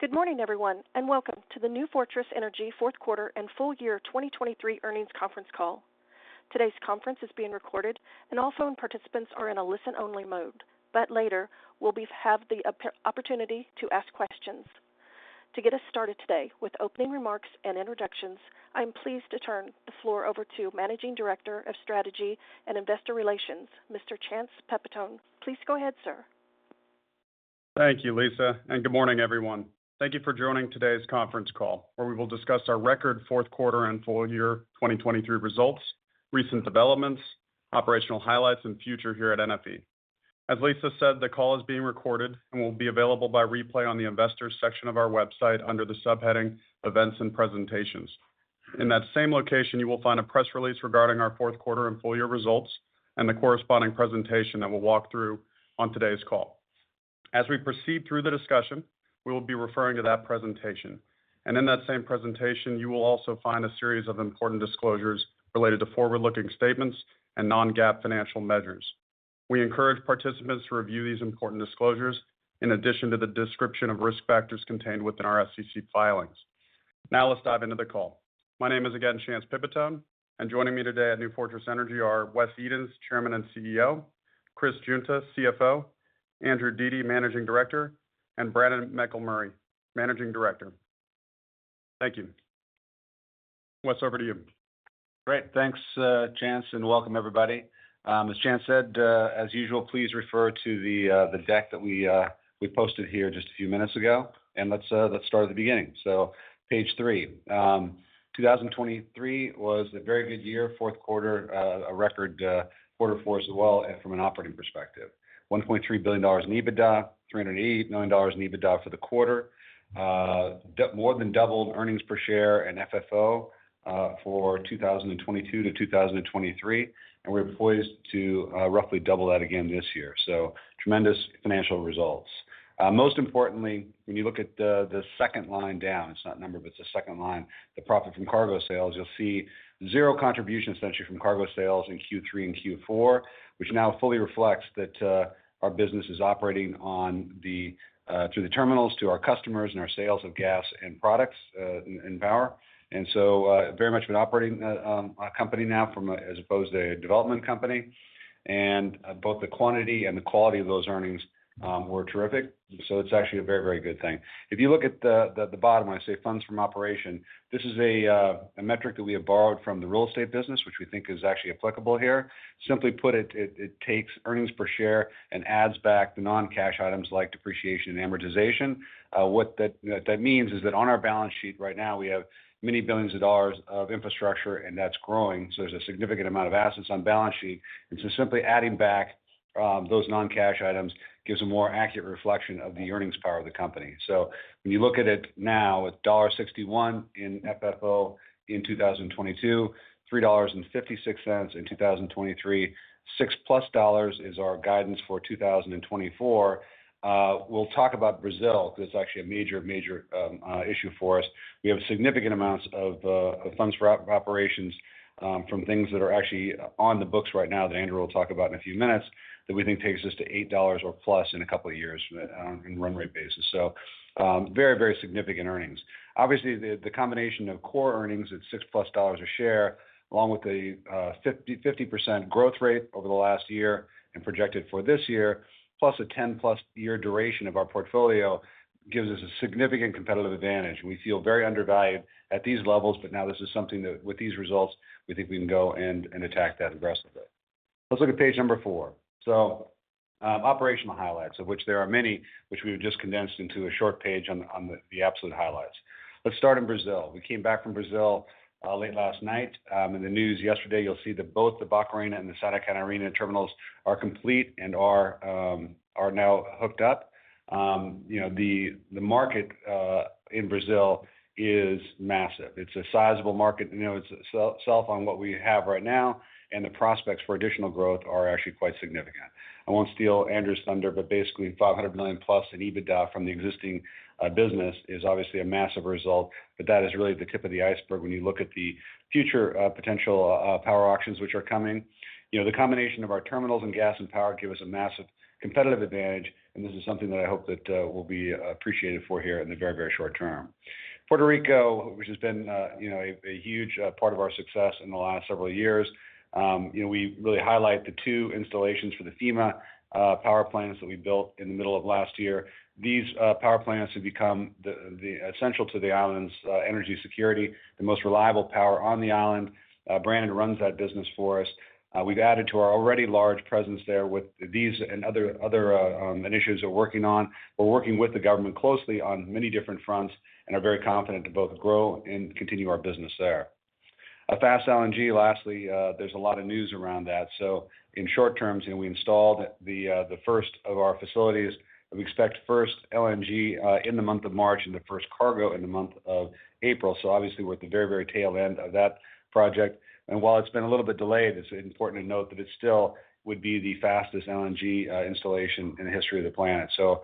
Good morning, everyone, and welcome to the New Fortress Energy Fourth Quarter and Full Year 2023 Earnings Conference Call. Today's conference is being recorded, and all phone participants are in a listen-only mode, but later we'll have the opportunity to ask questions. To get us started today with opening remarks and introductions, I am pleased to turn the floor over to Managing Director of Strategy and Investor Relations, Mr. Chance Pipitone. Please go ahead, sir. Thank you, Lisa, and good morning, everyone. Thank you for joining today's conference call, where we will discuss our record fourth quarter and full year 2023 results, recent developments, operational highlights, and future here at NFE. As Lisa said, the call is being recorded and will be available by replay on the Investors section of our website under the subheading Events and Presentations. In that same location, you will find a press release regarding our fourth quarter and full year results and the corresponding presentation that we'll walk through on today's call. As we proceed through the discussion, we will be referring to that presentation, and in that same presentation, you will also find a series of important disclosures related to forward-looking statements and non-GAAP financial measures. We encourage participants to review these important disclosures in addition to the description of risk factors contained within our SEC filings. Now let's dive into the call. My name is again Chance Pipitone, and joining me today at New Fortress Energy are Wes Edens, Chairman and CEO, Chris Guinta, CFO, Andrew Dete, Managing Director, and Brannen McElmurray, Managing Director. Thank you. Wes, over to you. Great, thanks, Chance, and welcome, everybody. As Chance said, as usual, please refer to the deck that we posted here just a few minutes ago, and let's start at the beginning. So page three, 2023 was a very good year, fourth quarter, a record quarter for us as well from an operating perspective. $1.3 billion in EBITDA, $380 million EBITDA for the quarter, more than doubled earnings per share and FFO for 2022-2023, and we're poised to roughly double that again this year. So tremendous financial results. Most importantly, when you look at the second line down, it's not number, but it's the second line, the profit from cargo sales, you'll see zero contribution essentially from cargo sales in Q3 and Q4, which now fully reflects that our business is operating through the terminals to our customers and our sales of gas and products and power. So very much an operating company now as opposed to a development company, and both the quantity and the quality of those earnings were terrific. So it's actually a very, very good thing. If you look at the bottom, when I say funds from operations, this is a metric that we have borrowed from the real estate business, which we think is actually applicable here. Simply put, it takes earnings per share and adds back the non-cash items like depreciation and amortization. What that means is that on our balance sheet right now, we have many billions of dollars of infrastructure, and that's growing. So there's a significant amount of assets on balance sheet, and so simply adding back those non-cash items gives a more accurate reflection of the earnings power of the company. So when you look at it now, it's $1.61 in FFO in 2022, $3.56 in 2023, $6+ is our guidance for 2024. We'll talk about Brazil because it's actually a major, major issue for us. We have significant amounts of funds for operations from things that are actually on the books right now that Andrew will talk about in a few minutes that we think takes us to $8+ in a couple of years on a run rate basis. So very, very significant earnings. Obviously, the combination of core earnings at $6+ a share, along with the 50% growth rate over the last year and projected for this year, plus a 10+ year duration of our portfolio gives us a significant competitive advantage. We feel very undervalued at these levels, but now this is something that with these results, we think we can go and attack that aggressively. Let's look at page number four, so operational highlights, of which there are many, which we have just condensed into a short page on the absolute highlights. Let's start in Brazil. We came back from Brazil late last night. In the news yesterday, you'll see that both the Barcarena and the Santa Catarina terminals are complete and are now hooked up. The market in Brazil is massive. It's a sizable market. It's sell on what we have right now, and the prospects for additional growth are actually quite significant. I won't steal Andrew's thunder, but basically $500 million+ in EBITDA from the existing business is obviously a massive result, but that is really the tip of the iceberg when you look at the future potential power auctions which are coming. The combination of our terminals and gas and power gives us a massive competitive advantage, and this is something that I hope that will be appreciated for here in the very, very short term. Puerto Rico, which has been a huge part of our success in the last several years, we really highlight the two installations for the FEMA power plants that we built in the middle of last year. These power plants have become essential to the island's energy security, the most reliable power on the island. Brannen runs that business for us. We've added to our already large presence there with these and other initiatives we're working on. We're working with the government closely on many different fronts and are very confident to both grow and continue our business there. Fast LNG, lastly, there's a lot of news around that. So in short terms, we installed the first of our facilities. We expect first LNG in the month of March and the first cargo in the month of April. So obviously, we're at the very, very tail end of that project. And while it's been a little bit delayed, it's important to note that it still would be the fastest LNG installation in the history of the planet. So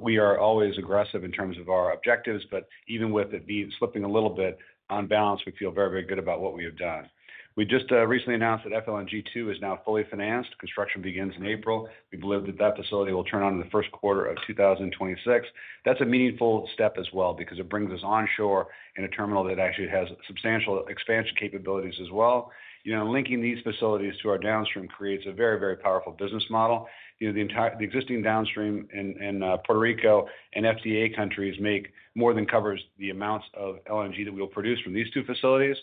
we are always aggressive in terms of our objectives, but even with it slipping a little bit on balance, we feel very, very good about what we have done. We just recently announced that FLNG2 is now fully financed. Construction begins in April. We believe that that facility will turn on in the first quarter of 2026. That's a meaningful step as well because it brings us onshore in a terminal that actually has substantial expansion capabilities as well. Linking these facilities to our downstream creates a very, very powerful business model. The existing downstream in Puerto Rico and FTA countries make more than covers the amounts of LNG that we will produce from these two facilities.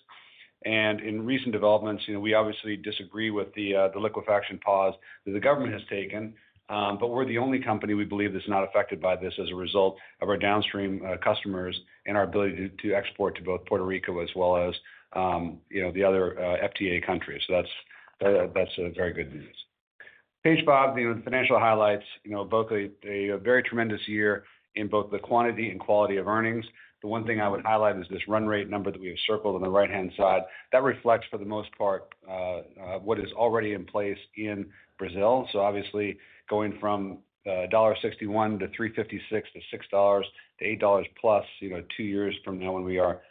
And in recent developments, we obviously disagree with the liquefaction pause that the government has taken, but we're the only company we believe that's not affected by this as a result of our downstream customers and our ability to export to both Puerto Rico as well as the other FTA countries. So that's very good news. Page five, the financial highlights: both a very tremendous year in both the quantity and quality of earnings. The one thing I would highlight is this run rate number that we have circled on the right-hand side. That reflects for the most part what is already in place in Brazil. So obviously, going from $1.61-$3.56 to $6-$8+ two years from now when we are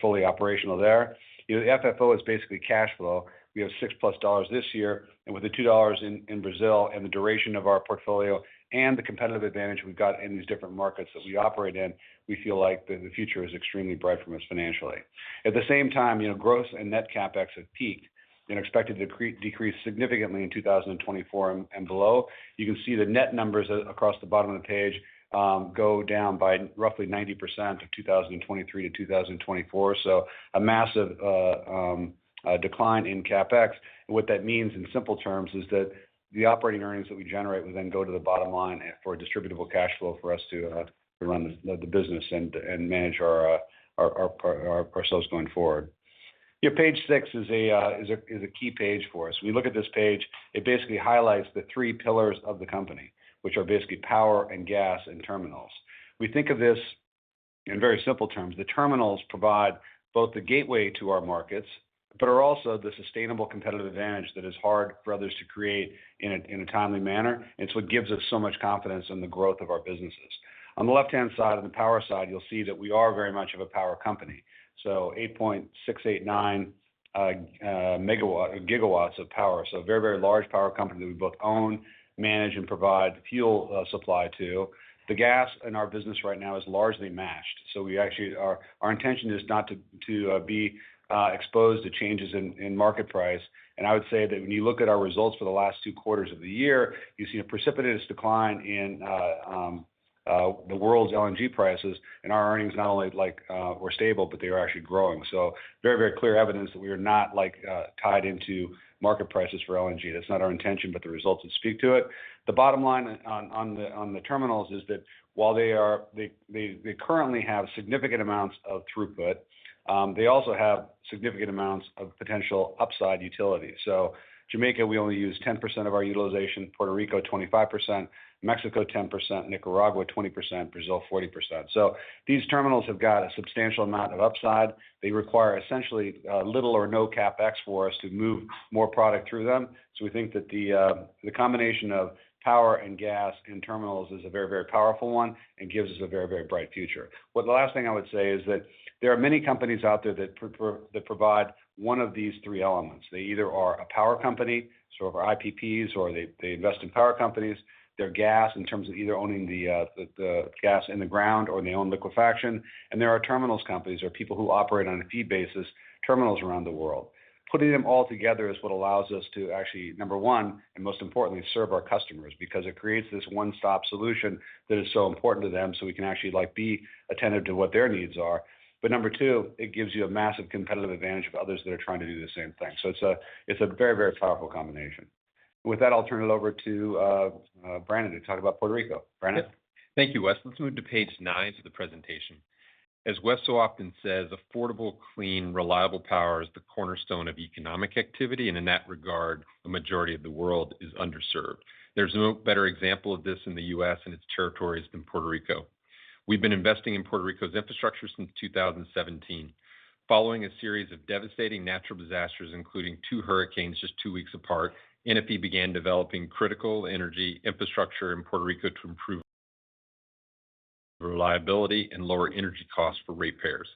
fully operational there. The FFO is basically cash flow. We have $6+ this year, and with the $2 in Brazil and the duration of our portfolio and the competitive advantage we've got in these different markets that we operate in, we feel like the future is extremely bright for us financially. At the same time, growth and net CapEx have peaked and are expected to decrease significantly in 2024 and below. You can see the net numbers across the bottom of the page go down by roughly 90% from 2023-2024. So a massive decline in CapEx. What that means in simple terms is that the operating earnings that we generate will then go to the bottom line for distributable cash flow for us to run the business and manage our CapEx going forward. Page six is a key page for us. When you look at this page, it basically highlights the three pillars of the company, which are basically power and gas and terminals. We think of this in very simple terms. The terminals provide both the gateway to our markets, but are also the sustainable competitive advantage that is hard for others to create in a timely manner. And so it gives us so much confidence in the growth of our businesses. On the left-hand side, on the power side, you'll see that we are very much of a power company. So 8.689 GW of power, so a very, very large power company that we both own, manage, and provide fuel supply to. The gas in our business right now is largely matched. So our intention is not to be exposed to changes in market price. And I would say that when you look at our results for the last two quarters of the year, you've seen a precipitous decline in the world's LNG prices, and our earnings not only were stable, but they were actually growing. So very, very clear evidence that we are not tied into market prices for LNG. That's not our intention, but the results that speak to it. The bottom line on the terminals is that while they currently have significant amounts of throughput, they also have significant amounts of potential upside utility. So Jamaica, we only use 10% of our utilization. Puerto Rico, 25%. Mexico, 10%. Nicaragua, 20%. Brazil, 40%. So these terminals have got a substantial amount of upside. They require essentially little or no CapEx for us to move more product through them. So we think that the combination of power and gas and terminals is a very, very powerful one and gives us a very, very bright future. What the last thing I would say is that there are many companies out there that provide one of these three elements. They either are a power company, sort of our IPPs, or they invest in power companies. They're gas in terms of either owning the gas in the ground or they own liquefaction. There are terminal companies or people who operate on a feed basis, terminals around the world. Putting them all together is what allows us to actually, number one, and most importantly, serve our customers because it creates this one-stop solution that is so important to them so we can actually be attentive to what their needs are. But number two, it gives you a massive competitive advantage over others that are trying to do the same thing. So it's a very, very powerful combination. With that, I'll turn it over to Brannen to talk about Puerto Rico. Brannen. Thank you, Wes. Let's move to page nine of the presentation. As Wes so often says, affordable, clean, reliable power is the cornerstone of economic activity, and in that regard, the majority of the world is underserved. There's no better example of this in the U.S. and its territories than Puerto Rico. We've been investing in Puerto Rico's infrastructure since 2017. Following a series of devastating natural disasters, including two hurricanes just two weeks apart, NFE began developing critical energy infrastructure in Puerto Rico to improve reliability and lower energy costs for ratepayers.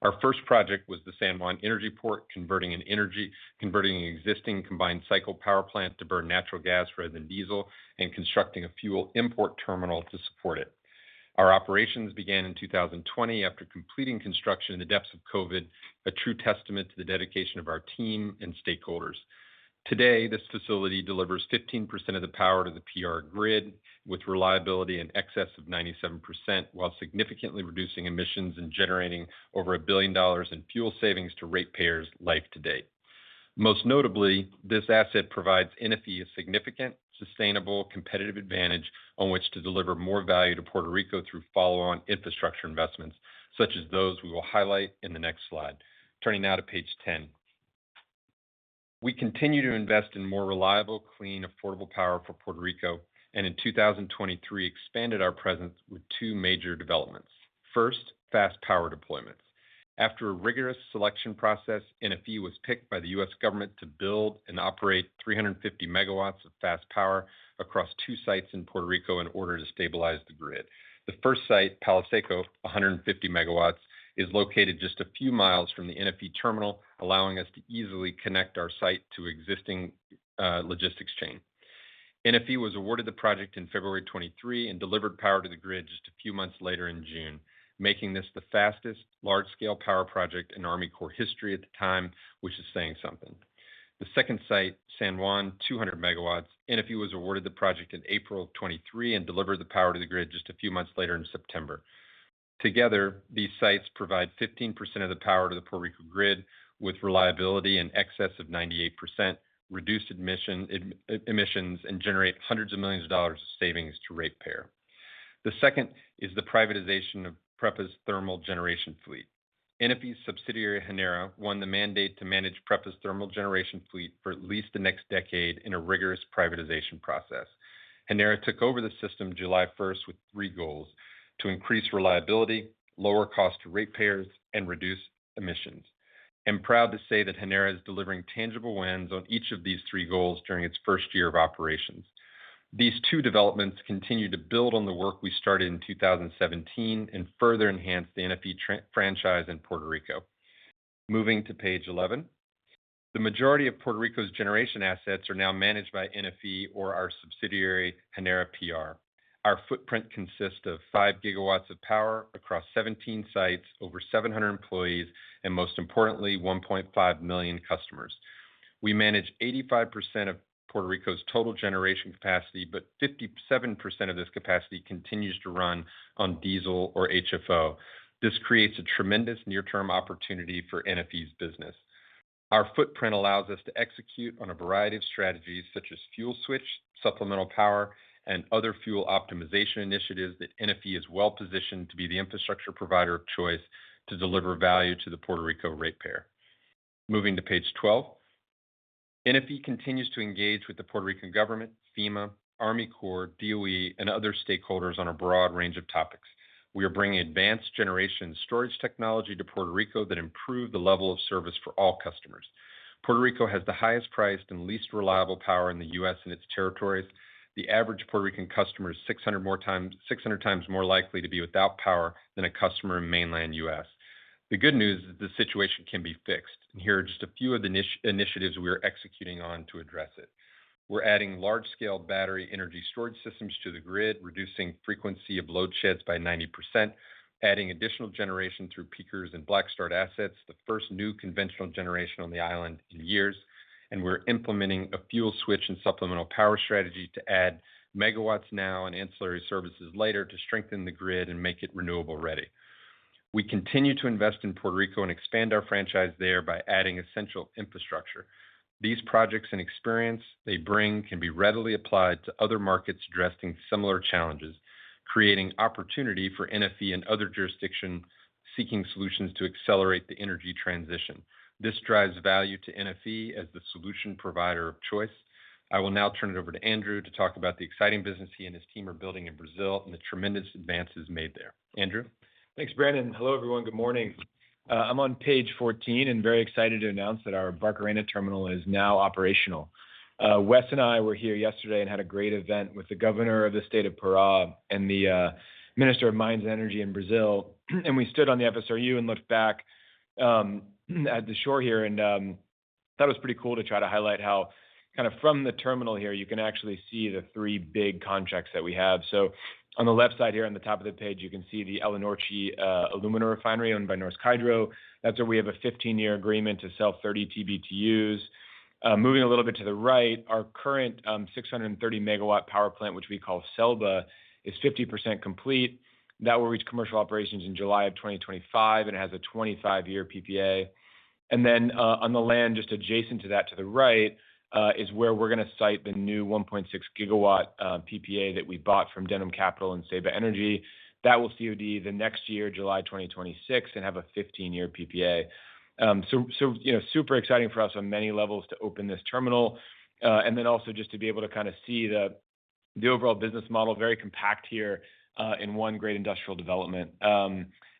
Our first project was the San Juan Energy Port, converting an existing combined cycle power plant to burn natural gas rather than diesel and constructing a fuel import terminal to support it. Our operations began in 2020 after completing construction in the depths of COVID, a true testament to the dedication of our team and stakeholders. Today, this facility delivers 15% of the power to the PR grid with reliability in excess of 97% while significantly reducing emissions and generating over $1 billion in fuel savings to rate payers life to date. Most notably, this asset provides NFE a significant, sustainable, competitive advantage on which to deliver more value to Puerto Rico through follow-on infrastructure investments such as those we will highlight in the next slide. Turning now to page 10. We continue to invest in more reliable, clean, affordable power for Puerto Rico and in 2023 expanded our presence with two major developments. First, fast power deployments. After a rigorous selection process, NFE was picked by the U.S. government to build and operate 350 MW of fast power across two sites in Puerto Rico in order to stabilize the grid. The first site, Palo Seco, 150 MW, is located just a few miles from the NFE terminal, allowing us to easily connect our site to existing logistics chain. NFE was awarded the project in February 2023 and delivered power to the grid just a few months later in June, making this the fastest large-scale power project in Army Corps history at the time, which is saying something. The second site, San Juan, 200 MW, NFE was awarded the project in April 2023 and delivered the power to the grid just a few months later in September. Together, these sites provide 15% of the power to the Puerto Rico grid with reliability in excess of 98%, reduce emissions, and generate hundreds of millions dollars of savings to ratepayers. The second is the privatization of PREPA's thermal generation fleet. NFE's subsidiary, Genera, won the mandate to manage PREPA's thermal generation fleet for at least the next decade in a rigorous privatization process. Genera took over the system July 1st with three goals: to increase reliability, lower cost to rate payers, and reduce emissions. I'm proud to say that Genera is delivering tangible wins on each of these three goals during its first year of operations. These two developments continue to build on the work we started in 2017 and further enhance the NFE franchise in Puerto Rico. Moving to page 11. The majority of Puerto Rico's generation assets are now managed by NFE or our subsidiary, Genera PR. Our footprint consists of 5 GW of power across 17 sites, over 700 employees, and most importantly, 1.5 million customers. We manage 85% of Puerto Rico's total generation capacity, but 57% of this capacity continues to run on diesel or HFO. This creates a tremendous near-term opportunity for NFE's business. Our footprint allows us to execute on a variety of strategies such as fuel switch, supplemental power, and other fuel optimization initiatives that NFE is well positioned to be the infrastructure provider of choice to deliver value to the Puerto Rico ratepayer. Moving to page 12. NFE continues to engage with the Puerto Rican government, FEMA, Army Corps, DOE, and other stakeholders on a broad range of topics. We are bringing advanced generation storage technology to Puerto Rico that improve the level of service for all customers. Puerto Rico has the highest priced and least reliable power in the U.S. and its territories. The average Puerto Rican customer is 600x more likely to be without power than a customer in mainland U.S.. The good news is that the situation can be fixed. Here are just a few of the initiatives we are executing on to address it. We're adding large-scale battery energy storage systems to the grid, reducing frequency of load sheds by 90%, adding additional generation through peakers and black start assets, the first new conventional generation on the island in years. We're implementing a fuel switch and supplemental power strategy to add megawatts now and ancillary services later to strengthen the grid and make it renewable ready. We continue to invest in Puerto Rico and expand our franchise there by adding essential infrastructure. These projects and experience they bring can be readily applied to other markets addressing similar challenges, creating opportunity for NFE and other jurisdiction seeking solutions to accelerate the energy transition. This drives value to NFE as the solution provider of choice. I will now turn it over to Andrew to talk about the exciting business he and his team are building in Brazil and the tremendous advances made there. Andrew. Thanks, Brannen. Hello everyone. Good morning. I'm on page 14 and very excited to announce that our Barcarena terminal is now operational. Wes and I, we're here yesterday and had a great event with the governor of the state of Pará and the Minister of Mines and Energy in Brazil. We stood on the FSRU and looked back at the shore here and thought it was pretty cool to try to highlight how kind of from the terminal here, you can actually see the three big contracts that we have. So on the left side here on the top of the page, you can see the Alunorte alumina refinery owned by Norsk Hydro. That's where we have a 15-year agreement to sell 30 TBTUs. Moving a little bit to the right, our current 630 MW power plant, which we call CELBA, is 50% complete. That will reach commercial operations in July of 2025 and it has a 25-year PPA. And then on the land just adjacent to that to the right is where we're going to site the new 1.6 GW PPA that we bought from Denham Capital and Ceiba Energy. That will COD the next year, July 2026, and have a 15-year PPA. So super exciting for us on many levels to open this terminal. And then also just to be able to kind of see the overall business model very compact here in one great industrial development.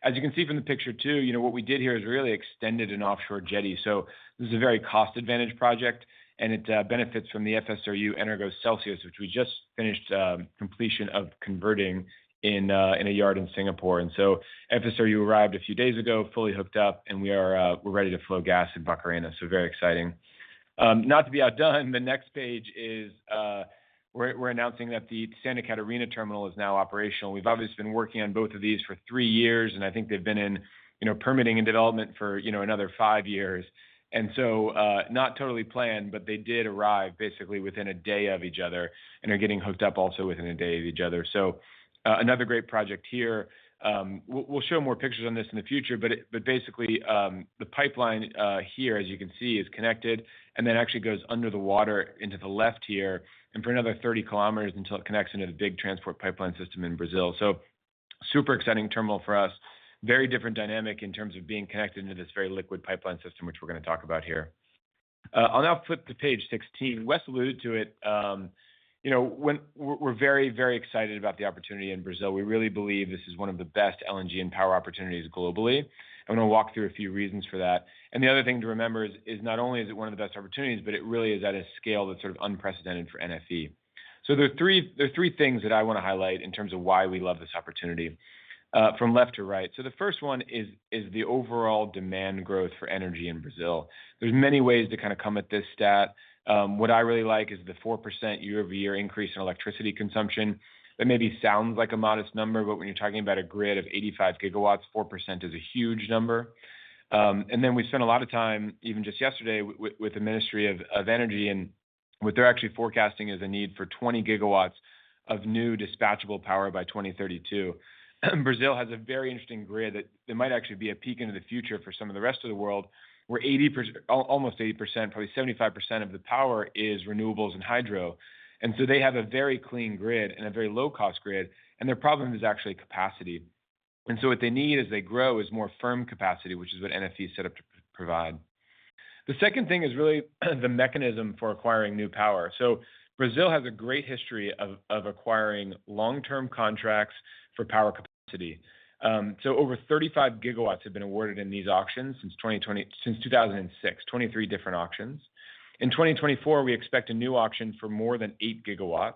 As you can see from the picture too, what we did here is really extended an offshore jetty. So this is a very cost-advantaged project and it benefits from the FSRU Energos Celsius, which we just finished completion of converting in a yard in Singapore. And so FSRU arrived a few days ago, fully hooked up, and we're ready to flow gas in Barcarena. So very exciting. Not to be outdone, the next page is we're announcing that the Santa Catarina terminal is now operational. We've obviously been working on both of these for three years and I think they've been in permitting and development for another five years. And so not totally planned, but they did arrive basically within a day of each other and are getting hooked up also within a day of each other. So another great project here. We'll show more pictures on this in the future, but basically the pipeline here, as you can see, is connected and then actually goes under the water into the left here and for another 30 kilometers until it connects into the big transport pipeline system in Brazil. So super exciting terminal for us. Very different dynamic in terms of being connected into this very liquid pipeline system, which we're going to talk about here. I'll now flip to page 16. Wes alluded to it. We're very, very excited about the opportunity in Brazil. We really believe this is one of the best LNG and power opportunities globally. I'm going to walk through a few reasons for that. The other thing to remember is not only is it one of the best opportunities, but it really is at a scale that's sort of unprecedented for NFE. There are three things that I want to highlight in terms of why we love this opportunity from left to right. The first one is the overall demand growth for energy in Brazil. There are many ways to kind of come at this stat. What I really like is the 4% year-over-year increase in electricity consumption. That maybe sounds like a modest number, but when you're talking about a grid of 85 GW, 4% is a huge number. And then we spent a lot of time, even just yesterday, with the Ministry of Energy and what they're actually forecasting is a need for 20 GW of new dispatchable power by 2032. Brazil has a very interesting grid that might actually be a peak into the future for some of the rest of the world where almost 80%, probably 75% of the power is renewables and hydro. And so they have a very clean grid and a very low-cost grid and their problem is actually capacity. And so what they need as they grow is more firm capacity, which is what NFE is set up to provide. The second thing is really the mechanism for acquiring new power. So Brazil has a great history of acquiring long-term contracts for power capacity. So over 35 gigawatts have been awarded in these auctions since 2006, 23 different auctions. In 2024, we expect a new auction for more than 8 GW.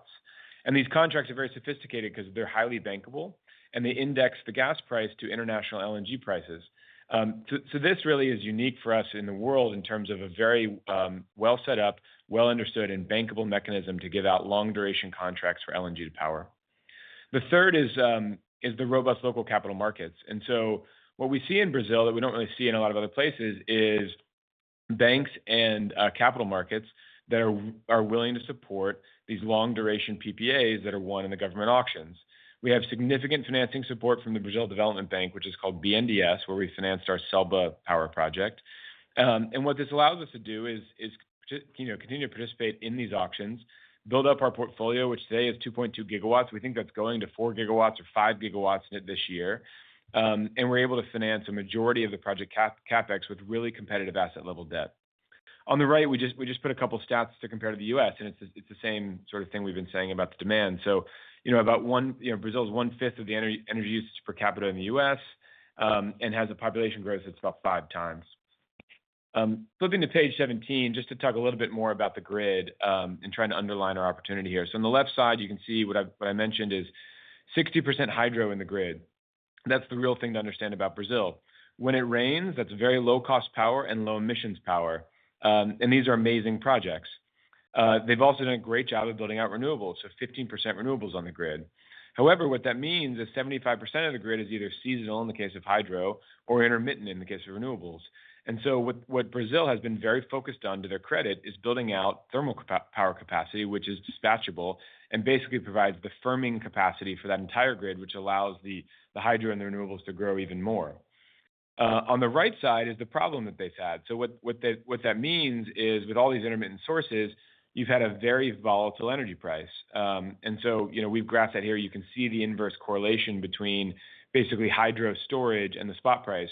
And these contracts are very sophisticated because they're highly bankable and they index the gas price to international LNG prices. So this really is unique for us in the world in terms of a very well set up, well understood, and bankable mechanism to give out long-duration contracts for LNG to power. The third is the robust local capital markets. And so what we see in Brazil that we don't really see in a lot of other places is banks and capital markets that are willing to support these long-duration PPAs that are won in the government auctions. We have significant financing support from the Brazil Development Bank, which is called BNDES, where we financed our SELBA power project. What this allows us to do is continue to participate in these auctions, build up our portfolio, which today is 2.2 GW. We think that's going to 4 GW or 5 GW this year. We're able to finance a majority of the project CapEx with really competitive asset-level debt. On the right, we just put a couple of stats to compare to the U.S. and it's the same sort of thing we've been saying about the demand. Brazil's 1/5 of the energy usage per capita in the U.S. and has a population growth that's about 5x. Flipping to page 17 just to talk a little bit more about the grid and trying to underline our opportunity here. So on the left side, you can see what I mentioned is 60% hydro in the grid. That's the real thing to understand about Brazil. When it rains, that's very low-cost power and low-emissions power. And these are amazing projects. They've also done a great job of building out renewables, so 15% renewables on the grid. However, what that means is 75% of the grid is either seasonal in the case of hydro or intermittent in the case of renewables. And so what Brazil has been very focused on to their credit is building out thermal power capacity, which is dispatchable and basically provides the firming capacity for that entire grid, which allows the hydro and the renewables to grow even more. On the right side is the problem that they've had. So what that means is with all these intermittent sources, you've had a very volatile energy price. We've graphed that here. You can see the inverse correlation between basically hydro storage and the spot price.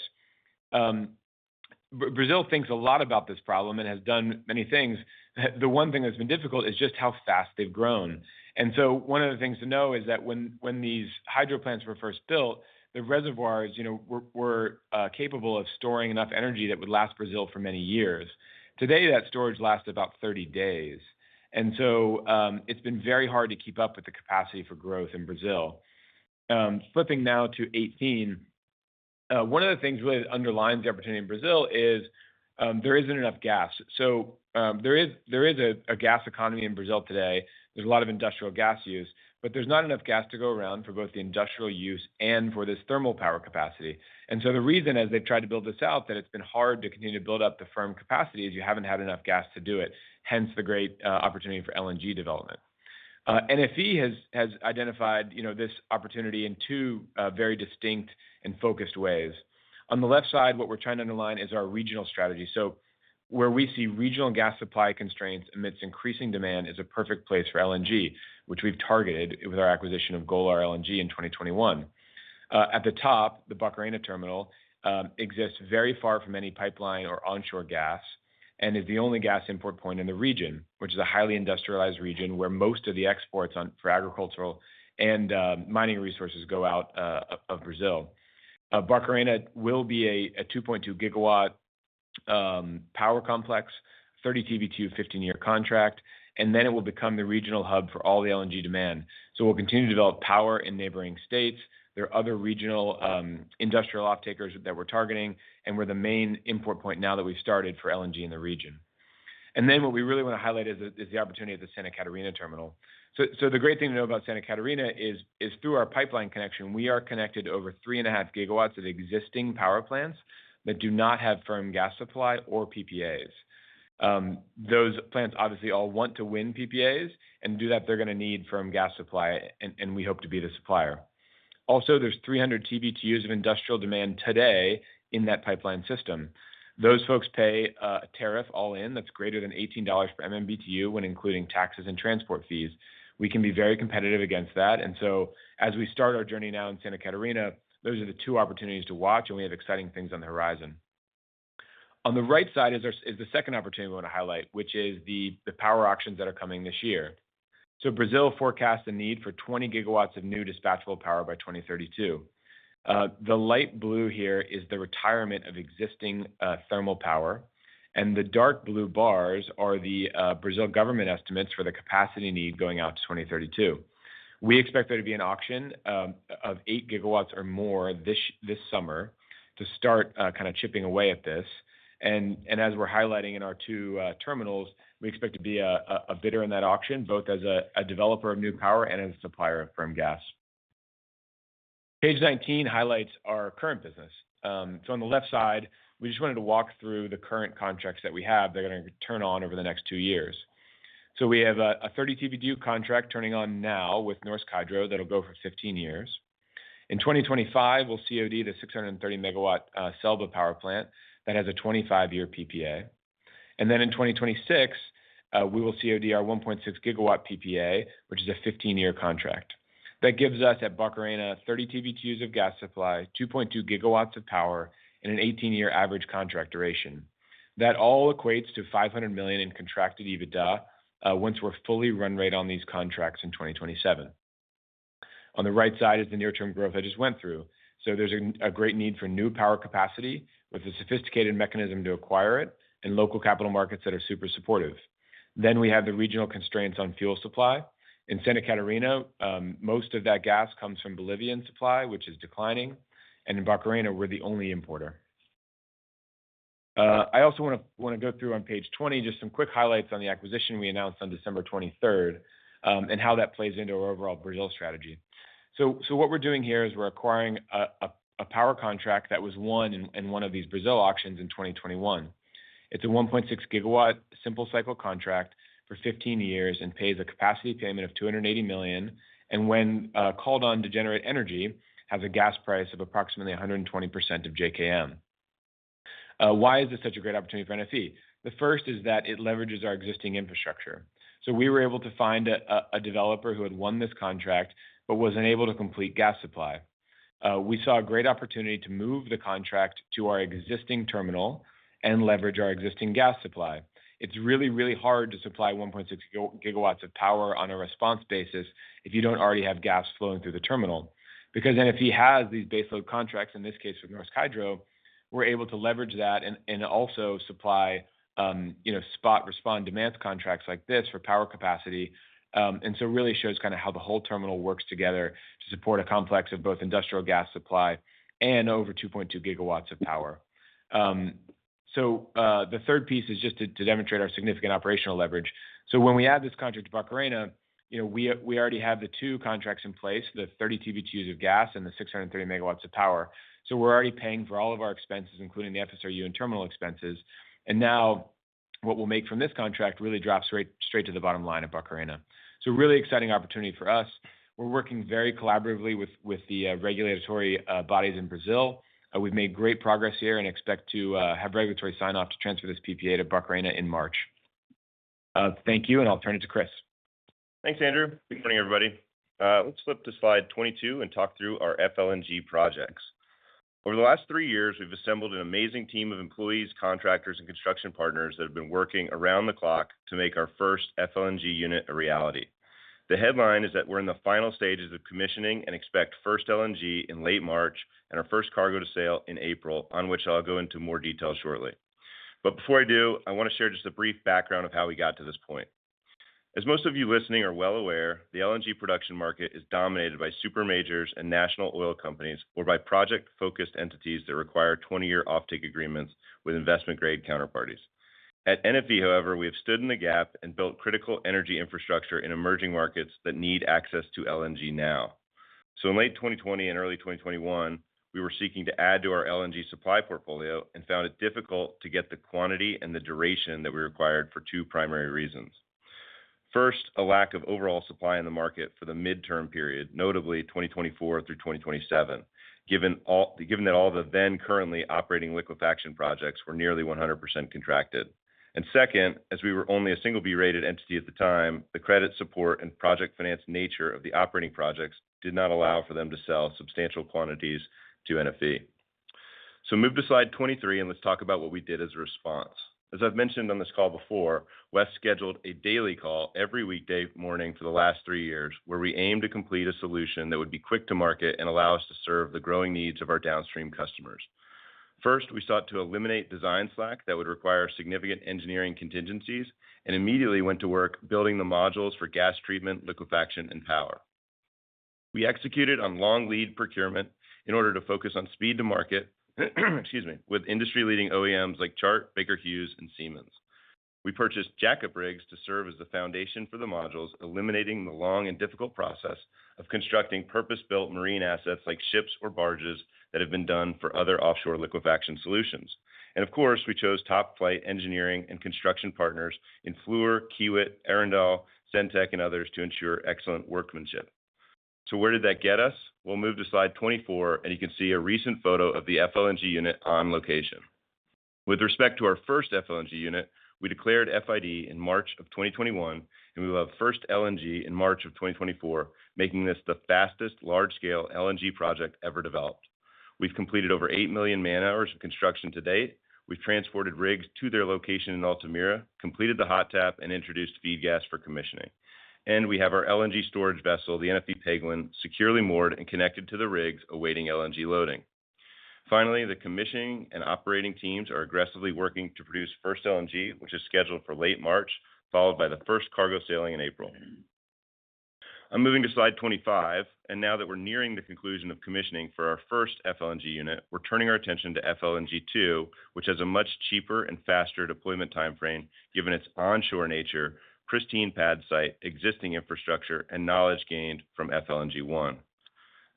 Brazil thinks a lot about this problem and has done many things. The one thing that's been difficult is just how fast they've grown. One of the things to know is that when these hydro plants were first built, the reservoirs were capable of storing enough energy that would last Brazil for many years. Today, that storage lasts about 30 days. It's been very hard to keep up with the capacity for growth in Brazil. Flipping now to 18. One of the things really that underlines the opportunity in Brazil is there isn't enough gas. There is a gas economy in Brazil today. There's a lot of industrial gas use, but there's not enough gas to go around for both the industrial use and for this thermal power capacity. And so the reason as they've tried to build this out that it's been hard to continue to build up the firm capacity is you haven't had enough gas to do it, hence the great opportunity for LNG development. NFE has identified this opportunity in two very distinct and focused ways. On the left side, what we're trying to underline is our regional strategy. So where we see regional gas supply constraints amidst increasing demand is a perfect place for LNG, which we've targeted with our acquisition of Golar LNG in 2021. At the top, the Barcarena terminal exists very far from any pipeline or onshore gas and is the only gas import point in the region, which is a highly industrialized region where most of the exports for agricultural and mining resources go out of Brazil. Barcarena will be a 2.2 GW power complex, 30 TBTU, 15-year contract, and then it will become the regional hub for all the LNG demand. So we'll continue to develop power in neighboring states. There are other regional industrial off-takers that we're targeting and we're the main import point now that we've started for LNG in the region. And then what we really want to highlight is the opportunity at the Santa Catarina terminal. So the great thing to know about Santa Catarina is through our pipeline connection, we are connected over 3.5 GW of existing power plants that do not have firm gas supply or PPAs. Those plants obviously all want to win PPAs and to do that, they're going to need firm gas supply and we hope to be the supplier. Also, there's 300 TBTUs of industrial demand today in that pipeline system. Those folks pay a tariff all-in that's greater than $18 per MMBTU when including taxes and transport fees. We can be very competitive against that. And so as we start our journey now in Santa Catarina, those are the two opportunities to watch and we have exciting things on the horizon. On the right side is the second opportunity we want to highlight, which is the power auctions that are coming this year. So Brazil forecasts a need for 20 GW of new dispatchable power by 2032. The light blue here is the retirement of existing thermal power and the dark blue bars are the Brazil government estimates for the capacity need going out to 2032. We expect there to be an auction of 8 GW or more this summer to start kind of chipping away at this. And as we're highlighting in our two terminals, we expect to be a bidder in that auction, both as a developer of new power and as a supplier of firm gas. Page 19 highlights our current business. So on the left side, we just wanted to walk through the current contracts that we have that are going to turn on over the next two years. So we have a 30 TBTU contract turning on now with Norsk Hydro that'll go for 15 years. In 2025, we'll COD the 630 MW SELBA power plant that has a 25-year PPA. Then in 2026, we will COD our 1.6 GW PPA, which is a 15-year contract. That gives us at Barcarena 30 TBTUs of gas supply, 2.2 GW of power, and an 18-year average contract duration. That all equates to $500 million in contracted EBITDA once we're fully run rate on these contracts in 2027. On the right side is the near-term growth I just went through. So there's a great need for new power capacity with a sophisticated mechanism to acquire it and local capital markets that are super supportive. Then we have the regional constraints on fuel supply. In Santa Catarina, most of that gas comes from Bolivian supply, which is declining. And in Barcarena, we're the only importer. I also want to go through on page 20 just some quick highlights on the acquisition we announced on December 23rd and how that plays into our overall Brazil strategy. So what we're doing here is we're acquiring a power contract that was won in one of these Brazil auctions in 2021. It's a 1.6 GW simple cycle contract for 15 years and pays a capacity payment of $280 million. And when called on to generate energy, has a gas price of approximately 120% of JKM. Why is this such a great opportunity for NFE? The first is that it leverages our existing infrastructure. So we were able to find a developer who had won this contract but was unable to complete gas supply. We saw a great opportunity to move the contract to our existing terminal and leverage our existing gas supply. It's really, really hard to supply 1.6 GW of power on a response basis if you don't already have gas flowing through the terminal. Because NFE has these baseload contracts, in this case with Norsk Hydro, we're able to leverage that and also supply spot-response demands contracts like this for power capacity. And so it really shows kind of how the whole terminal works together to support a complex of both industrial gas supply and over 2.2 GW of power. So the third piece is just to demonstrate our significant operational leverage. So when we add this contract to Barcarena, we already have the two contracts in place, the 30 TBTUs of gas and the 630 GW of power. So we're already paying for all of our expenses, including the FSRU and terminal expenses. Now what we'll make from this contract really drops straight to the bottom line at Barcarena. So really exciting opportunity for us. We're working very collaboratively with the regulatory bodies in Brazil. We've made great progress here and expect to have regulatory sign-off to transfer this PPA to Barcarena in March. Thank you. I'll turn it to Chris. Thanks, Andrew. Good morning, everybody. Let's flip to slide 22 and talk through our FLNG projects. Over the last three years, we've assembled an amazing team of employees, contractors, and construction partners that have been working around the clock to make our first FLNG unit a reality. The headline is that we're in the final stages of commissioning and expect first LNG in late March and our first cargo to sale in April, on which I'll go into more detail shortly. But before I do, I want to share just a brief background of how we got to this point. As most of you listening are well aware, the LNG production market is dominated by super majors and national oil companies or by project-focused entities that require 20-year offtake agreements with investment-grade counterparties. At NFE, however, we have stood in the gap and built critical energy infrastructure in emerging markets that need access to LNG now. In late 2020 and early 2021, we were seeking to add to our LNG supply portfolio and found it difficult to get the quantity and the duration that we required for two primary reasons. First, a lack of overall supply in the market for the midterm period, notably 2024 through 2027, given that all the then-currently operating liquefaction projects were nearly 100% contracted. And second, as we were only a single B-rated entity at the time, the credit support and project finance nature of the operating projects did not allow for them to sell substantial quantities to NFE. Move to slide 23 and let's talk about what we did as a response. As I've mentioned on this call before, Wes scheduled a daily call every weekday morning for the last three years where we aimed to complete a solution that would be quick to market and allow us to serve the growing needs of our downstream customers. First, we sought to eliminate design slack that would require significant engineering contingencies and immediately went to work building the modules for gas treatment, liquefaction, and power. We executed on long lead procurement in order to focus on speed to market, excuse me, with industry-leading OEMs like Chart, Baker Hughes, and Siemens. We purchased jack-up rigs to serve as the foundation for the modules, eliminating the long and difficult process of constructing purpose-built marine assets like ships or barges that have been done for other offshore liquefaction solutions. Of course, we chose top-flight engineering and construction partners in Fluor, Kiewit, Arendal, Sentech, and others to ensure excellent workmanship. So where did that get us? Well, move to slide 24 and you can see a recent photo of the FLNG unit on location. With respect to our first FLNG unit, we declared FID in March 2021 and we will have first LNG in March 2024, making this the fastest large-scale LNG project ever developed. We've completed over 8 million man-hours of construction to date. We've transported rigs to their location in Altamira, completed the hot tap, and introduced feed gas for commissioning. We have our LNG storage vessel, the NFE Penguin, securely moored and connected to the rigs awaiting LNG loading. Finally, the commissioning and operating teams are aggressively working to produce first LNG, which is scheduled for late March, followed by the first cargo sailing in April. I'm moving to slide 25. Now that we're nearing the conclusion of commissioning for our first FLNG unit, we're turning our attention to FLNG 2, which has a much cheaper and faster deployment timeframe given its onshore nature, pristine pad site, existing infrastructure, and knowledge gained from FLNG 1.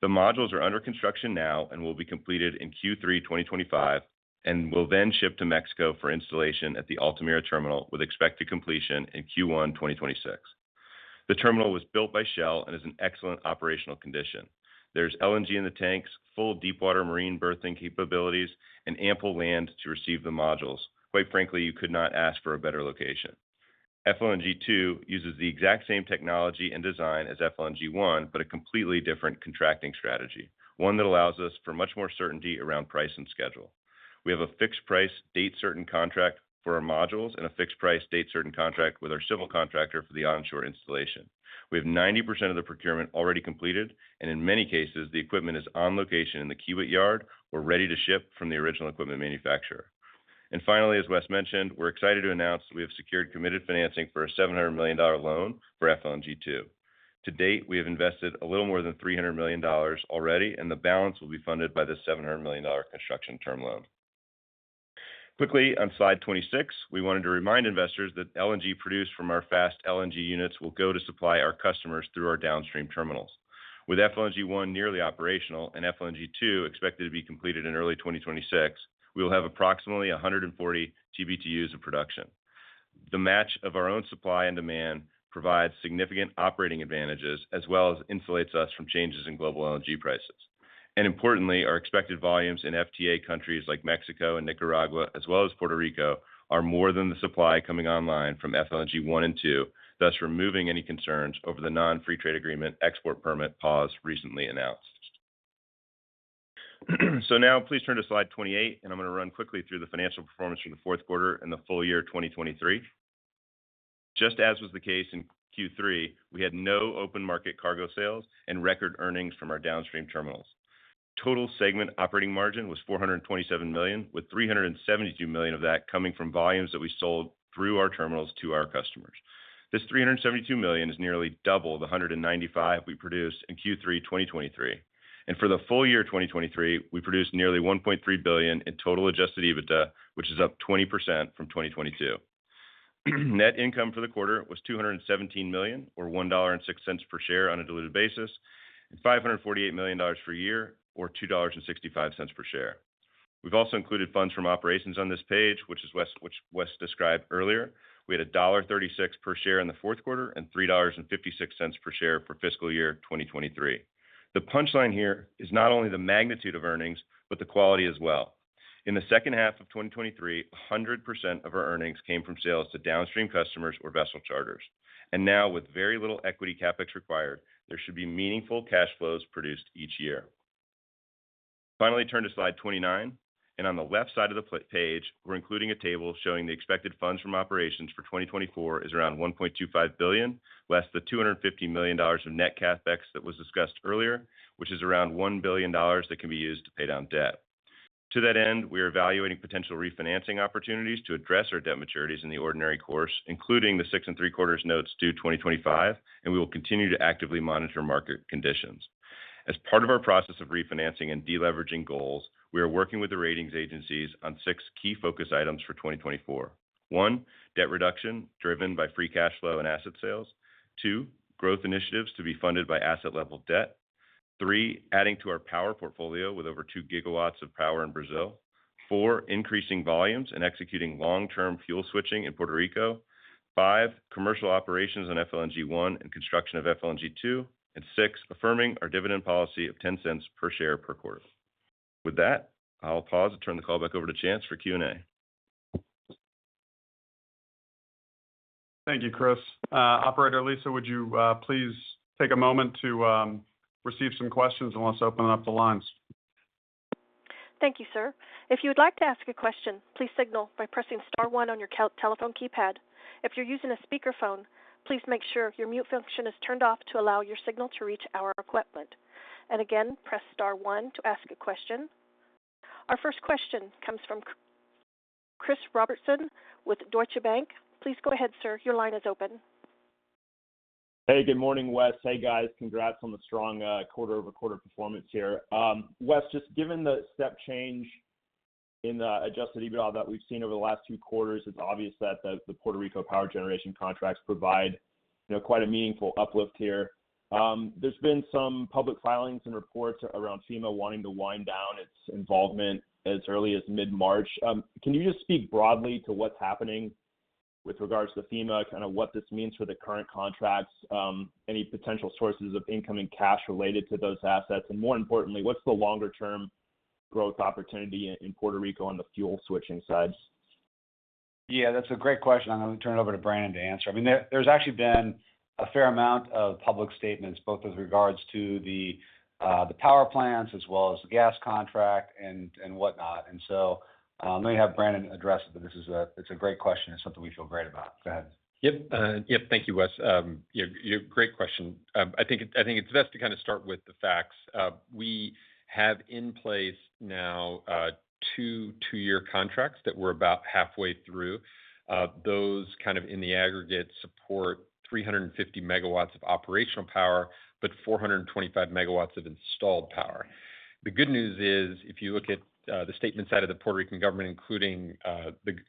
The modules are under construction now and will be completed in Q3 2025 and will then ship to Mexico for installation at the Altamira terminal with expected completion in Q1 2026. The terminal was built by Shell and is in excellent operational condition. There's LNG in the tanks, full deepwater marine berthing capabilities, and ample land to receive the modules. Quite frankly, you could not ask for a better location. FLNG 2 uses the exact same technology and design as FLNG 1, but a completely different contracting strategy, one that allows us for much more certainty around price and schedule. We have a fixed-price, date-certain contract for our modules and a fixed-price, date-certain contract with our civil contractor for the onshore installation. We have 90% of the procurement already completed and in many cases, the equipment is on location in the Kiewit yard or ready to ship from the original equipment manufacturer. Finally, as Wes mentioned, we're excited to announce that we have secured committed financing for a $700 million loan for FLNG 2. To date, we have invested a little more than $300 million already and the balance will be funded by this $700 million construction term loan. Quickly on slide 26, we wanted to remind investors that LNG produced from our fast LNG units will go to supply our customers through our downstream terminals. With FLNG 1 nearly operational and FLNG 2 expected to be completed in early 2026, we will have approximately 140 TBTUs of production. The match of our own supply and demand provides significant operating advantages as well as insulates us from changes in global LNG prices. And importantly, our expected volumes in FTA countries like Mexico and Nicaragua, as well as Puerto Rico, are more than the supply coming online from FLNG 1 and 2, thus removing any concerns over the non-free trade agreement export permit pause recently announced. Now please turn to slide 28 and I'm going to run quickly through the financial performance for the fourth quarter and the full year 2023. Just as was the case in Q3, we had no open market cargo sales and record earnings from our downstream terminals. Total segment operating margin was $427 million, with $372 million of that coming from volumes that we sold through our terminals to our customers. This $372 million is nearly double the $195 million we produced in Q3 2023. For the full year 2023, we produced nearly $1.3 billion in total adjusted EBITDA, which is up 20% from 2022. Net income for the quarter was $217 million or $1.06 per share on a diluted basis and $548 million per year or $2.65 per share. We've also included funds from operations on this page, which is what Wes described earlier. We had $1.36 per share in the fourth quarter and $3.56 per share for fiscal year 2023. The punchline here is not only the magnitude of earnings, but the quality as well. In the second half of 2023, 100% of our earnings came from sales to downstream customers or vessel charters. Now with very little equity CapEx required, there should be meaningful cash flows produced each year. Finally, turn to slide 29. On the left side of the page, we're including a table showing the expected funds from operations for 2024 is around $1.25 billion, less the $250 million of net CapEx that was discussed earlier, which is around $1 billion that can be used to pay down debt. To that end, we are evaluating potential refinancing opportunities to address our debt maturities in the ordinary course, including the 6.75 notes due 2025, and we will continue to actively monitor market conditions. As part of our process of refinancing and deleveraging goals, we are working with the ratings agencies on six key focus items for 2024. One, debt reduction driven by free cash flow and asset sales. Two, growth initiatives to be funded by asset-level debt. Three, adding to our power portfolio with over 2 GW of power in Brazil. Four, increasing volumes and executing long-term fuel switching in Puerto Rico. Five, commercial operations on FLNG 1 and construction of FLNG 2. And six, affirming our dividend policy of $0.10 per share per quarter. With that, I'll pause and turn the call back over to Chance for Q&A. Thank you, Chris. Operator Lisa, would you please take a moment to receive some questions unless opening up the lines? Thank you, sir. If you would like to ask a question, please signal by pressing star one on your telephone keypad. If you're using a speakerphone, please make sure your mute function is turned off to allow your signal to reach our equipment. And again, press star one to ask a question. Our first question comes from Chris Robertson with Deutsche Bank. Please go ahead, sir. Your line is open. Hey, good morning, Wes. Hey, guys. Congrats on the strong quarter-over-quarter performance here. Wes, just given the step change in the adjusted EBITDA that we've seen over the last two quarters, it's obvious that the Puerto Rico power generation contracts provide quite a meaningful uplift here. There's been some public filings and reports around FEMA wanting to wind down its involvement as early as mid-March. Can you just speak broadly to what's happening with regards to FEMA, kind of what this means for the current contracts, any potential sources of incoming cash related to those assets? And more importantly, what's the longer-term growth opportunity in Puerto Rico on the fuel switching side? Yeah, that's a great question. I'm going to turn it over to Brannen to answer. I mean, there's actually been a fair amount of public statements, both with regards to the power plants as well as the gas contract and whatnot. So I'm going to have Brannen address it, but it's a great question. It's something we feel great about. Go ahead. Yep. Yep. Thank you, Wes. That's a great question. I think it's best to kind of start with the facts. We have in place now two two-year contracts that we're about halfway through. Those kind of in the aggregate support 350 MW of operational power, but 425 MW of installed power. The good news is, if you look at the standpoint of the Puerto Rican government, including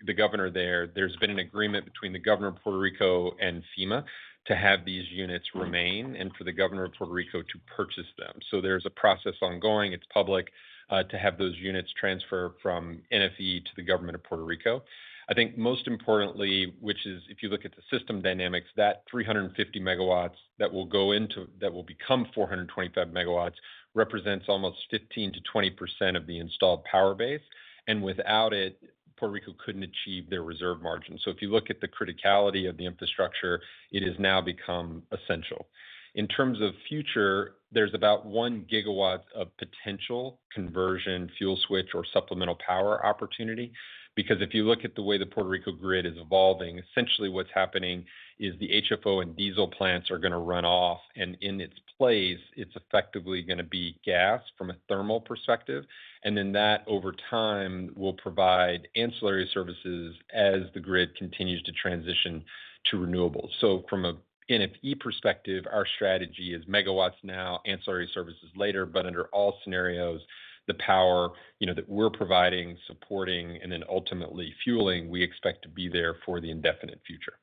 the governor there, there's been an agreement between the governor of Puerto Rico and FEMA to have these units remain and for the governor of Puerto Rico to purchase them. So there's a process ongoing. It's public to have those units transfer from NFE to the government of Puerto Rico. I think most importantly, which is if you look at the system dynamics, that 350 megawatts that will go into that will become 425 MW represents almost 15%-20% of the installed power base. And without it, Puerto Rico couldn't achieve their reserve margin. So if you look at the criticality of the infrastructure, it has now become essential. In terms of future, there's about one gigawatt of potential conversion fuel switch or supplemental power opportunity. Because if you look at the way the Puerto Rico grid is evolving, essentially what's happening is the HFO and diesel plants are going to run off. And in its place, it's effectively going to be gas from a thermal perspective. And then that over time will provide ancillary services as the grid continues to transition to renewables. So from an NFE perspective, our strategy is megawatts now, ancillary services later. Under all scenarios, the power that we're providing, supporting, and then ultimately fueling, we expect to be there for the indefinite future.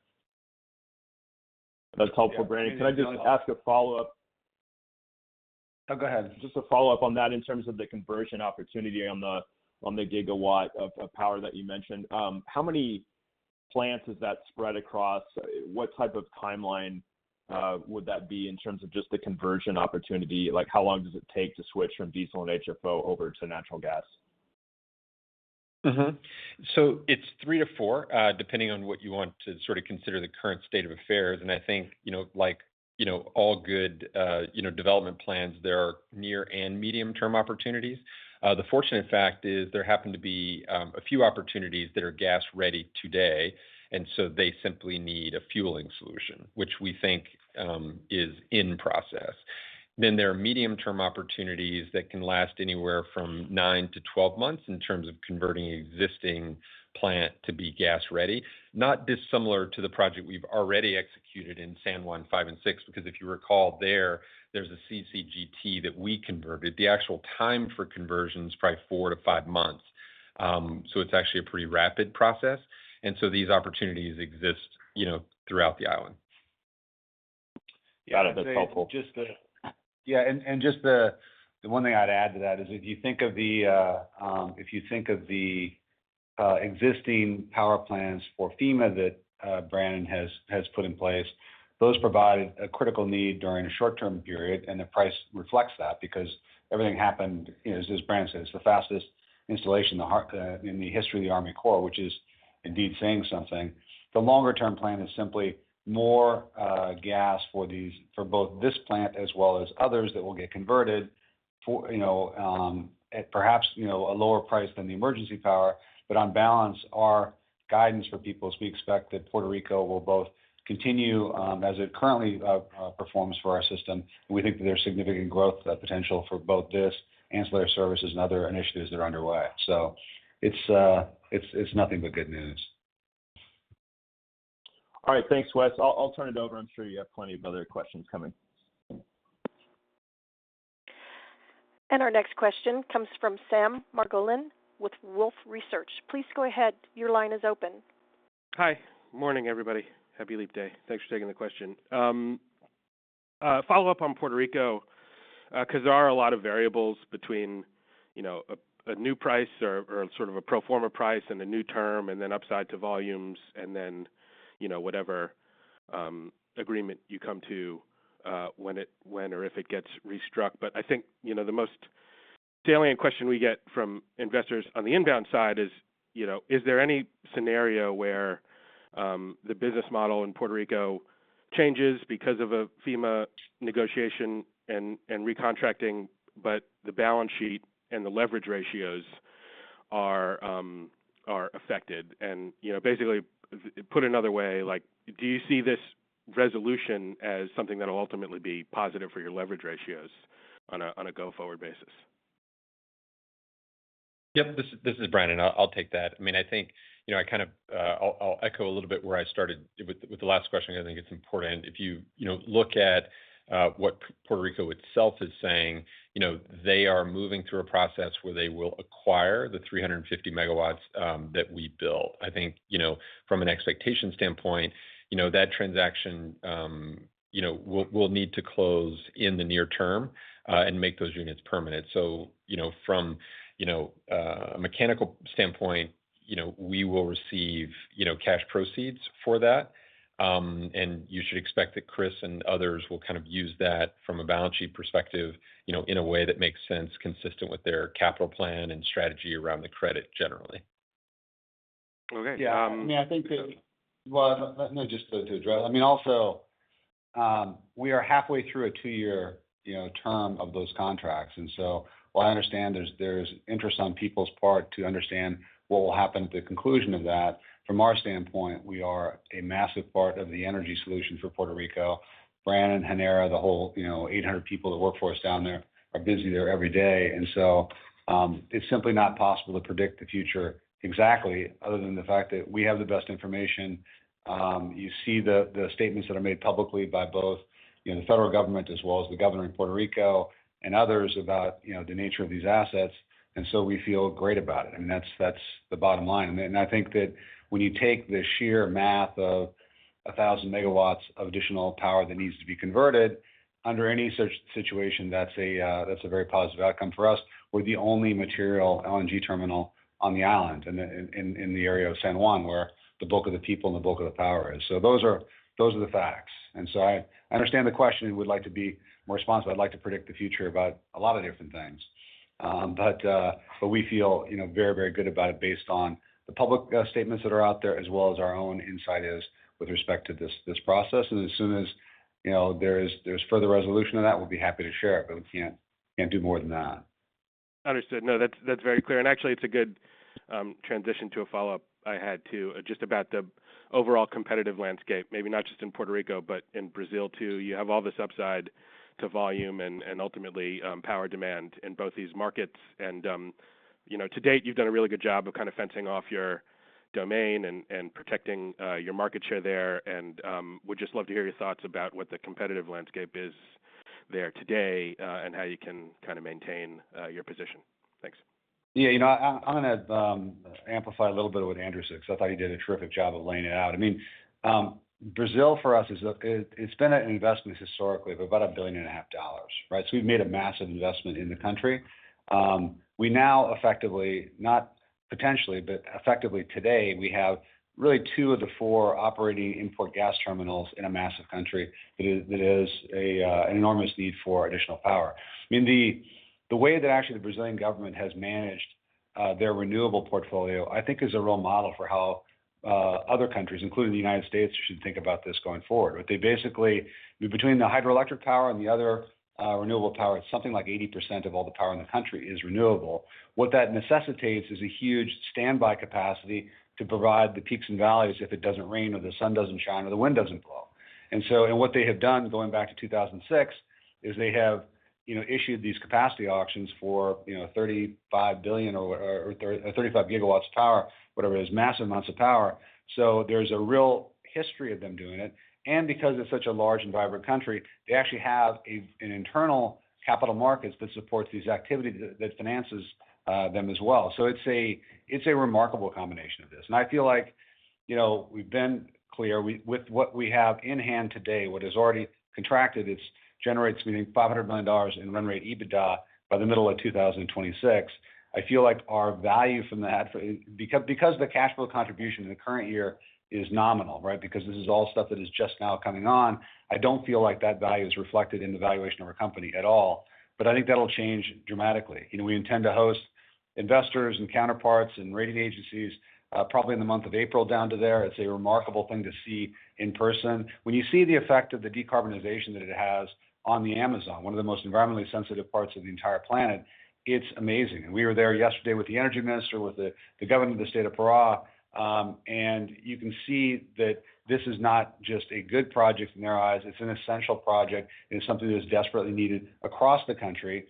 That's helpful, Brannen. Can I just ask a follow-up? Oh, go ahead. Just a follow-up on that in terms of the conversion opportunity on the gigawatt of power that you mentioned. How many plants is that spread across? What type of timeline would that be in terms of just the conversion opportunity? How long does it take to switch from diesel and HFO over to natural gas? So it's 3 GW-4 GW, depending on what you want to sort of consider the current state of affairs. And I think, like all good development plans, there are near and medium-term opportunities. The fortunate fact is there happen to be a few opportunities that are gas-ready today. And so they simply need a fueling solution, which we think is in process. Then there are medium-term opportunities that can last anywhere from 9-12 months in terms of converting an existing plant to be gas-ready. Not dissimilar to the project we've already executed in San Juan 5 and 6. Because if you recall, there's a CCGT that we converted. The actual time for conversion is probably four-five months. So it's actually a pretty rapid process. And so these opportunities exist throughout the island. Got it. That's helpful. Yeah. And just the one thing I'd add to that is if you think of the existing power plants for FEMA that Brannen has put in place, those provided a critical need during a short-term period. And the price reflects that because everything happened, as Brannen said, it's the fastest installation in the history of the Army Corps, which is indeed saying something. The longer-term plan is simply more gas for both this plant as well as others that will get converted at perhaps a lower price than the emergency power. But on balance, our guidance for people is we expect that Puerto Rico will both continue as it currently performs for our system. And we think that there's significant growth potential for both this ancillary services and other initiatives that are underway. So it's nothing but good news. All right. Thanks, Wes. I'll turn it over. I'm sure you have plenty of other questions coming. Our next question comes from Sam Margolin with Wolfe Research. Please go ahead. Your line is open. Hi. Morning, everybody. Happy Leap Day. Thanks for taking the question. Follow-up on Puerto Rico because there are a lot of variables between a new price or sort of a pro forma price and a new term and then upside to volumes and then whatever agreement you come to when or if it gets restruck. But I think the most salient question we get from investors on the inbound side is, is there any scenario where the business model in Puerto Rico changes because of a FEMA negotiation and recontracting, but the balance sheet and the leverage ratios are affected? And basically, put another way, do you see this resolution as something that will ultimately be positive for your leverage ratios on a go-forward basis? Yep. This is Brannen. I'll take that. I mean, I think I kind of I'll echo a little bit where I started with the last question because I think it's important. If you look at what Puerto Rico itself is saying, they are moving through a process where they will acquire the 350 MW that we built. I think from an expectation standpoint, that transaction will need to close in the near term and make those units permanent. So from a mechanical standpoint, we will receive cash proceeds for that. And you should expect that Chris and others will kind of use that from a balance sheet perspective in a way that makes sense, consistent with their capital plan and strategy around the credit generally. Okay. Yeah. I mean, I think that well, just to address, I mean, also, we are halfway through a two-year term of those contracts. So while I understand there's interest on people's part to understand what will happen at the conclusion of that, from our standpoint, we are a massive part of the energy solution for Puerto Rico. Brannen, Genera, the whole 800 people that work for us down there are busy there every day. So it's simply not possible to predict the future exactly other than the fact that we have the best information. You see the statements that are made publicly by both the federal government as well as the governor in Puerto Rico and others about the nature of these assets. So we feel great about it. I mean, that's the bottom line. I think that when you take the sheer math of 1,000 MW of additional power that needs to be converted, under any situation, that's a very positive outcome for us. We're the only material LNG terminal on the island in the area of San Juan where the bulk of the people and the bulk of the power is. Those are the facts. I understand the question and would like to be more responsive. I'd like to predict the future about a lot of different things. We feel very, very good about it based on the public statements that are out there as well as our own insight is with respect to this process. As soon as there's further resolution of that, we'll be happy to share it. We can't do more than that. Understood. No, that's very clear. Actually, it's a good transition to a follow-up I had too just about the overall competitive landscape, maybe not just in Puerto Rico, but in Brazil too. You have all this upside to volume and ultimately power demand in both these markets. To date, you've done a really good job of kind of fencing off your domain and protecting your market share there. Would just love to hear your thoughts about what the competitive landscape is there today and how you can kind of maintain your position. Thanks. Yeah. I'm going to amplify a little bit of what Andrew said because I thought he did a terrific job of laying it out. I mean, Brazil for us, it's been an investment historically of about $1.5 billion, right? So we've made a massive investment in the country. We now effectively, not potentially, but effectively today, we have really two of the four operating import gas terminals in a massive country that has an enormous need for additional power. I mean, the way that actually the Brazilian government has managed their renewable portfolio, I think, is a role model for how other countries, including the United States, should think about this going forward. What they basically do between the hydroelectric power and the other renewable power, it's something like 80% of all the power in the country is renewable. What that necessitates is a huge standby capacity to provide the peaks and valleys if it doesn't rain or the sun doesn't shine or the wind doesn't blow. What they have done going back to 2006 is they have issued these capacity auctions for $35 billion or 35 GW of power, whatever it is, massive amounts of power. There's a real history of them doing it. Because it's such a large and vibrant country, they actually have an internal capital market that supports these activities that finances them as well. It's a remarkable combination of this. I feel like we've been clear. With what we have in hand today, what has already contracted, it generates, I mean, $500 million in run rate EBITDA by the middle of 2026. I feel like our value from that because the cash flow contribution in the current year is nominal, right? Because this is all stuff that is just now coming on. I don't feel like that value is reflected in the valuation of our company at all. But I think that'll change dramatically. We intend to host investors and counterparts and rating agencies probably in the month of April down to there. It's a remarkable thing to see in person. When you see the effect of the decarbonization that it has on the Amazon, one of the most environmentally sensitive parts of the entire planet, it's amazing. And we were there yesterday with the energy minister, with the governor of the state of Pará. And you can see that this is not just a good project in their eyes. It's an essential project. It is something that is desperately needed across the country.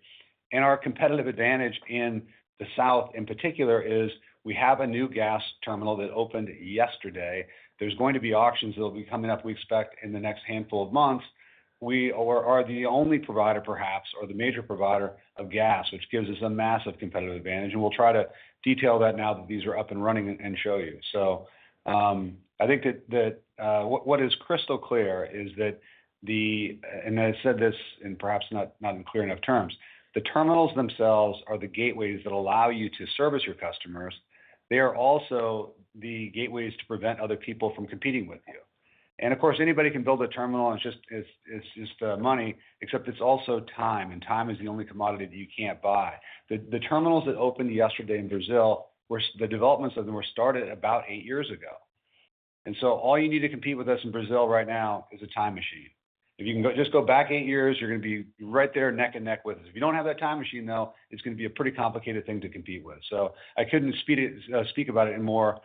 Our competitive advantage in the South in particular is we have a new gas terminal that opened yesterday. There's going to be auctions that'll be coming up, we expect, in the next handful of months. We are the only provider, perhaps, or the major provider of gas, which gives us a massive competitive advantage. We'll try to detail that now that these are up and running and show you. So I think that what is crystal clear is that, and I said this in perhaps not clear enough terms. The terminals themselves are the gateways that allow you to service your customers. They are also the gateways to prevent other people from competing with you. Of course, anybody can build a terminal. It's just money, except it's also time. Time is the only commodity that you can't buy. The terminals that opened yesterday in Brazil, the developments of them were started about eight years ago. So all you need to compete with us in Brazil right now is a time machine. If you can just go back eight years, you're going to be right there neck and neck with us. If you don't have that time machine, though, it's going to be a pretty complicated thing to compete with. So I couldn't speak about it in more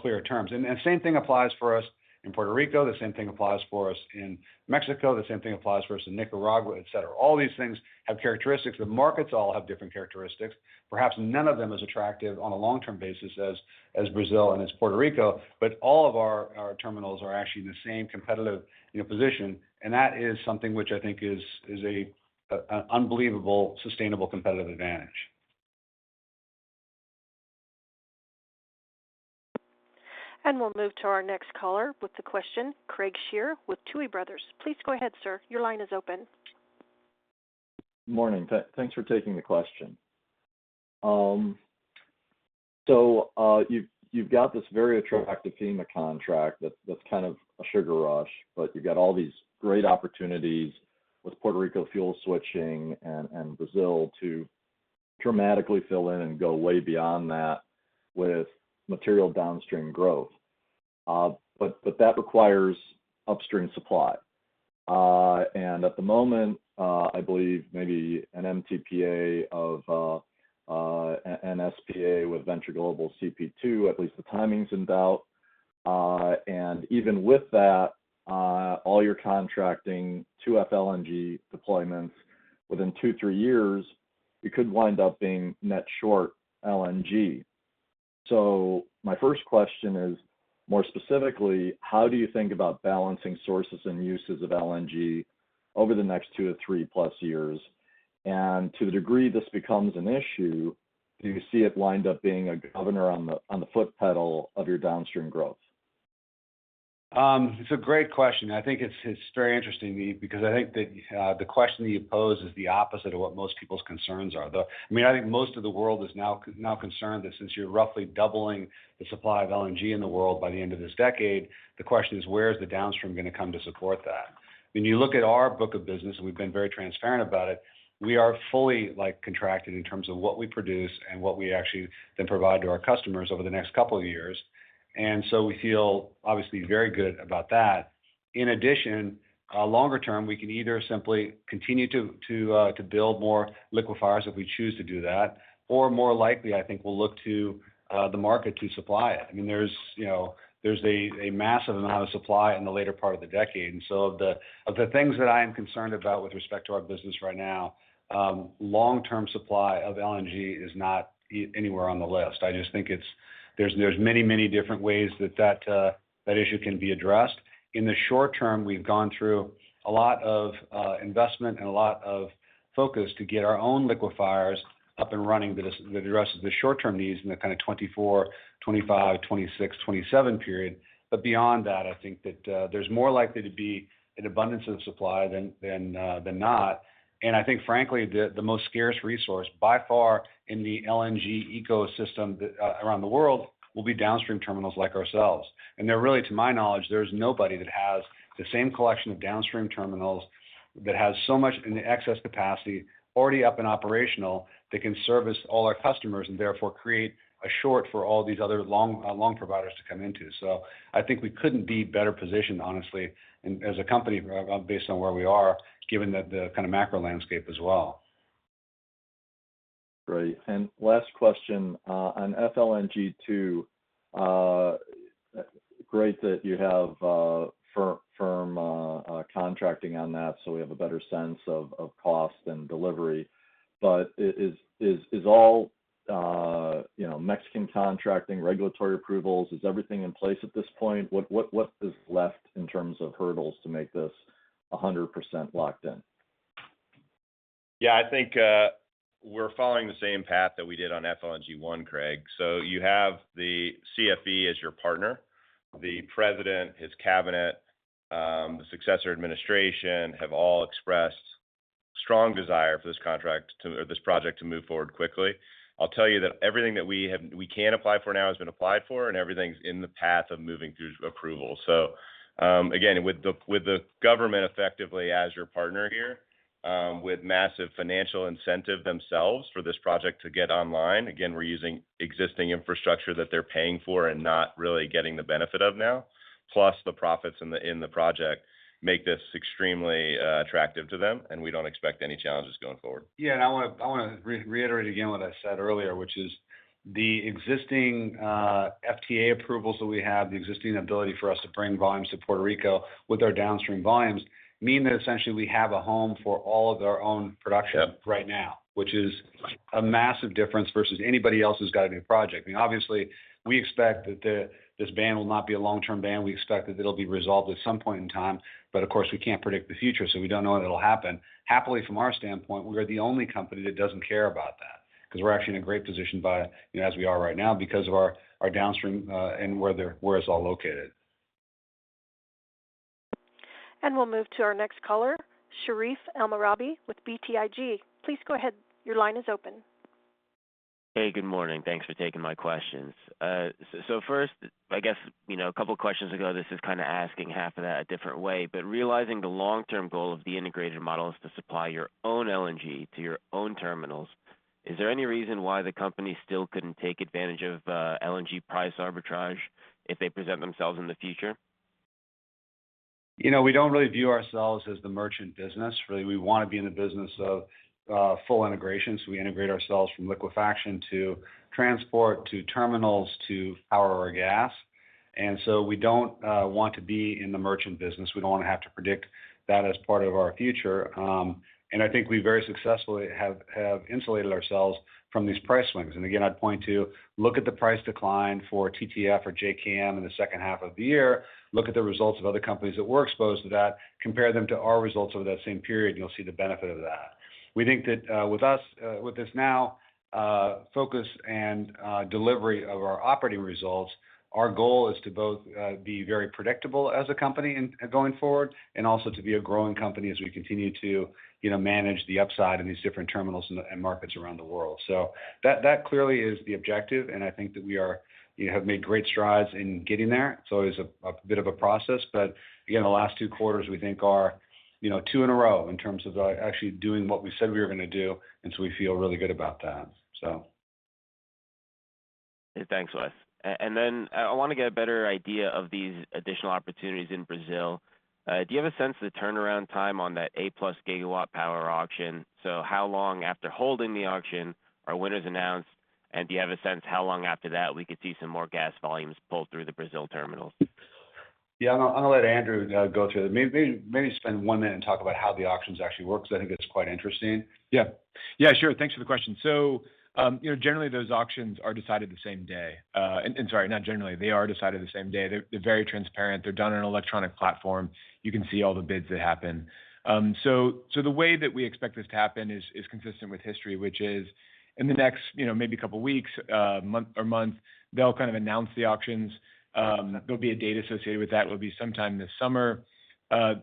clear terms. The same thing applies for us in Puerto Rico. The same thing applies for us in Mexico. The same thing applies for us in Nicaragua, etc. All these things have characteristics. The markets all have different characteristics. Perhaps none of them is attractive on a long-term basis as Brazil and as Puerto Rico. All of our terminals are actually in the same competitive position. That is something which I think is an unbelievable sustainable competitive advantage. We'll move to our next caller with the question, Craig Shere with Tuohy Brothers. Please go ahead, sir. Your line is open. Morning. Thanks for taking the question. So you've got this very attractive FEMA contract that's kind of a sugar rush. But you've got all these great opportunities with Puerto Rico fuel switching and Brazil to dramatically fill in and go way beyond that with material downstream growth. But that requires upstream supply. And at the moment, I believe maybe an MTPA of NFE SPA with Venture Global CP2, at least the timing's in doubt. And even with that, all your contracted Fast LNG deployments within two-three years, you could wind up being net short LNG. So my first question is, more specifically, how do you think about balancing sources and uses of LNG over the next two-three plus years? And to the degree this becomes an issue, do you see it lined up being a governor on the foot pedal of your downstream growth? It's a great question. I think it's very interesting because I think that the question that you pose is the opposite of what most people's concerns are. I mean, I think most of the world is now concerned that since you're roughly doubling the supply of LNG in the world by the end of this decade, the question is, where is the downstream going to come to support that? I mean, you look at our book of business, and we've been very transparent about it. We are fully contracted in terms of what we produce and what we actually then provide to our customers over the next couple of years. And so we feel, obviously, very good about that. In addition, longer term, we can either simply continue to build more liquefiers if we choose to do that, or more likely, I think, we'll look to the market to supply it. I mean, there's a massive amount of supply in the later part of the decade. And so of the things that I am concerned about with respect to our business right now, long-term supply of LNG is not anywhere on the list. I just think there's many, many different ways that that issue can be addressed. In the short term, we've gone through a lot of investment and a lot of focus to get our own liquefiers up and running that addresses the short-term needs in the kind of 2024, 2025, 2026, 2027 period. But beyond that, I think that there's more likely to be an abundance of supply than not. I think, frankly, the most scarce resource by far in the LNG ecosystem around the world will be downstream terminals like ourselves. Really, to my knowledge, there's nobody that has the same collection of downstream terminals that has so much in the excess capacity already up and operational that can service all our customers and therefore create a short for all these other long providers to come into. I think we couldn't be better positioned, honestly, as a company based on where we are, given the kind of macro landscape as well. Great. And last question on FLNG2. Great that you have firm contracting on that so we have a better sense of cost and delivery. But is all Mexican contracting, regulatory approvals, is everything in place at this point? What is left in terms of hurdles to make this 100% locked in? Yeah. I think we're following the same path that we did on FLNG1, Craig. So you have the CFE as your partner. The president, his cabinet, the successor administration have all expressed strong desire for this contract or this project to move forward quickly. I'll tell you that everything that we can apply for now has been applied for, and everything's in the path of moving through approval. So again, with the government effectively as your partner here, with massive financial incentive themselves for this project to get online, again, we're using existing infrastructure that they're paying for and not really getting the benefit of now. Plus, the profits in the project make this extremely attractive to them, and we don't expect any challenges going forward. Yeah. And I want to reiterate again what I said earlier, which is the existing FTA approvals that we have, the existing ability for us to bring volume to Puerto Rico with our downstream volumes mean that essentially we have a home for all of our own production right now, which is a massive difference versus anybody else who's got a new project. I mean, obviously, we expect that this ban will not be a long-term ban. We expect that it'll be resolved at some point in time. But of course, we can't predict the future, so we don't know when it'll happen. Happily, from our standpoint, we are the only company that doesn't care about that because we're actually in a great position as we are right now because of our downstream and where it's all located. We'll move to our next caller, Sherif Elmaghrabi with BTIG. Please go ahead. Your line is open. Hey, good morning. Thanks for taking my questions. So first, I guess a couple of questions ago, this is kind of asking half of that a different way. But realizing the long-term goal of the integrated model is to supply your own LNG to your own terminals, is there any reason why the company still couldn't take advantage of LNG price arbitrage if they present themselves in the future? We don't really view ourselves as the merchant business. Really, we want to be in the business of full integration. So we integrate ourselves from liquefaction to transport to terminals to power or gas. And so we don't want to be in the merchant business. We don't want to have to predict that as part of our future. And I think we very successfully have insulated ourselves from these price swings. And again, I'd point to look at the price decline for TTF or JKM in the second half of the year. Look at the results of other companies that were exposed to that. Compare them to our results over that same period, and you'll see the benefit of that. We think that with us, with this now, focus and delivery of our operating results, our goal is to both be very predictable as a company going forward and also to be a growing company as we continue to manage the upside in these different terminals and markets around the world. That clearly is the objective. I think that we have made great strides in getting there. It's always a bit of a process. But again, the last two quarters, we think, are two in a row in terms of actually doing what we said we were going to do. And so we feel really good about that, so. Thanks, Wes. Then I want to get a better idea of these additional opportunities in Brazil. Do you have a sense of the turnaround time on that A-plus gigawatt power auction? How long after holding the auction are winners announced? Do you have a sense how long after that we could see some more gas volumes pull through the Brazil terminals? Yeah. I'm going to let Andrew go through it. Maybe spend one minute and talk about how the auctions actually work because I think it's quite interesting. Yeah. Yeah, sure. Thanks for the question. So generally, those auctions are decided the same day. And sorry, not generally. They are decided the same day. They're very transparent. They're done on an electronic platform. You can see all the bids that happen. So the way that we expect this to happen is consistent with history, which is in the next maybe couple of weeks or month, they'll kind of announce the auctions. There'll be a date associated with that. It'll be sometime this summer.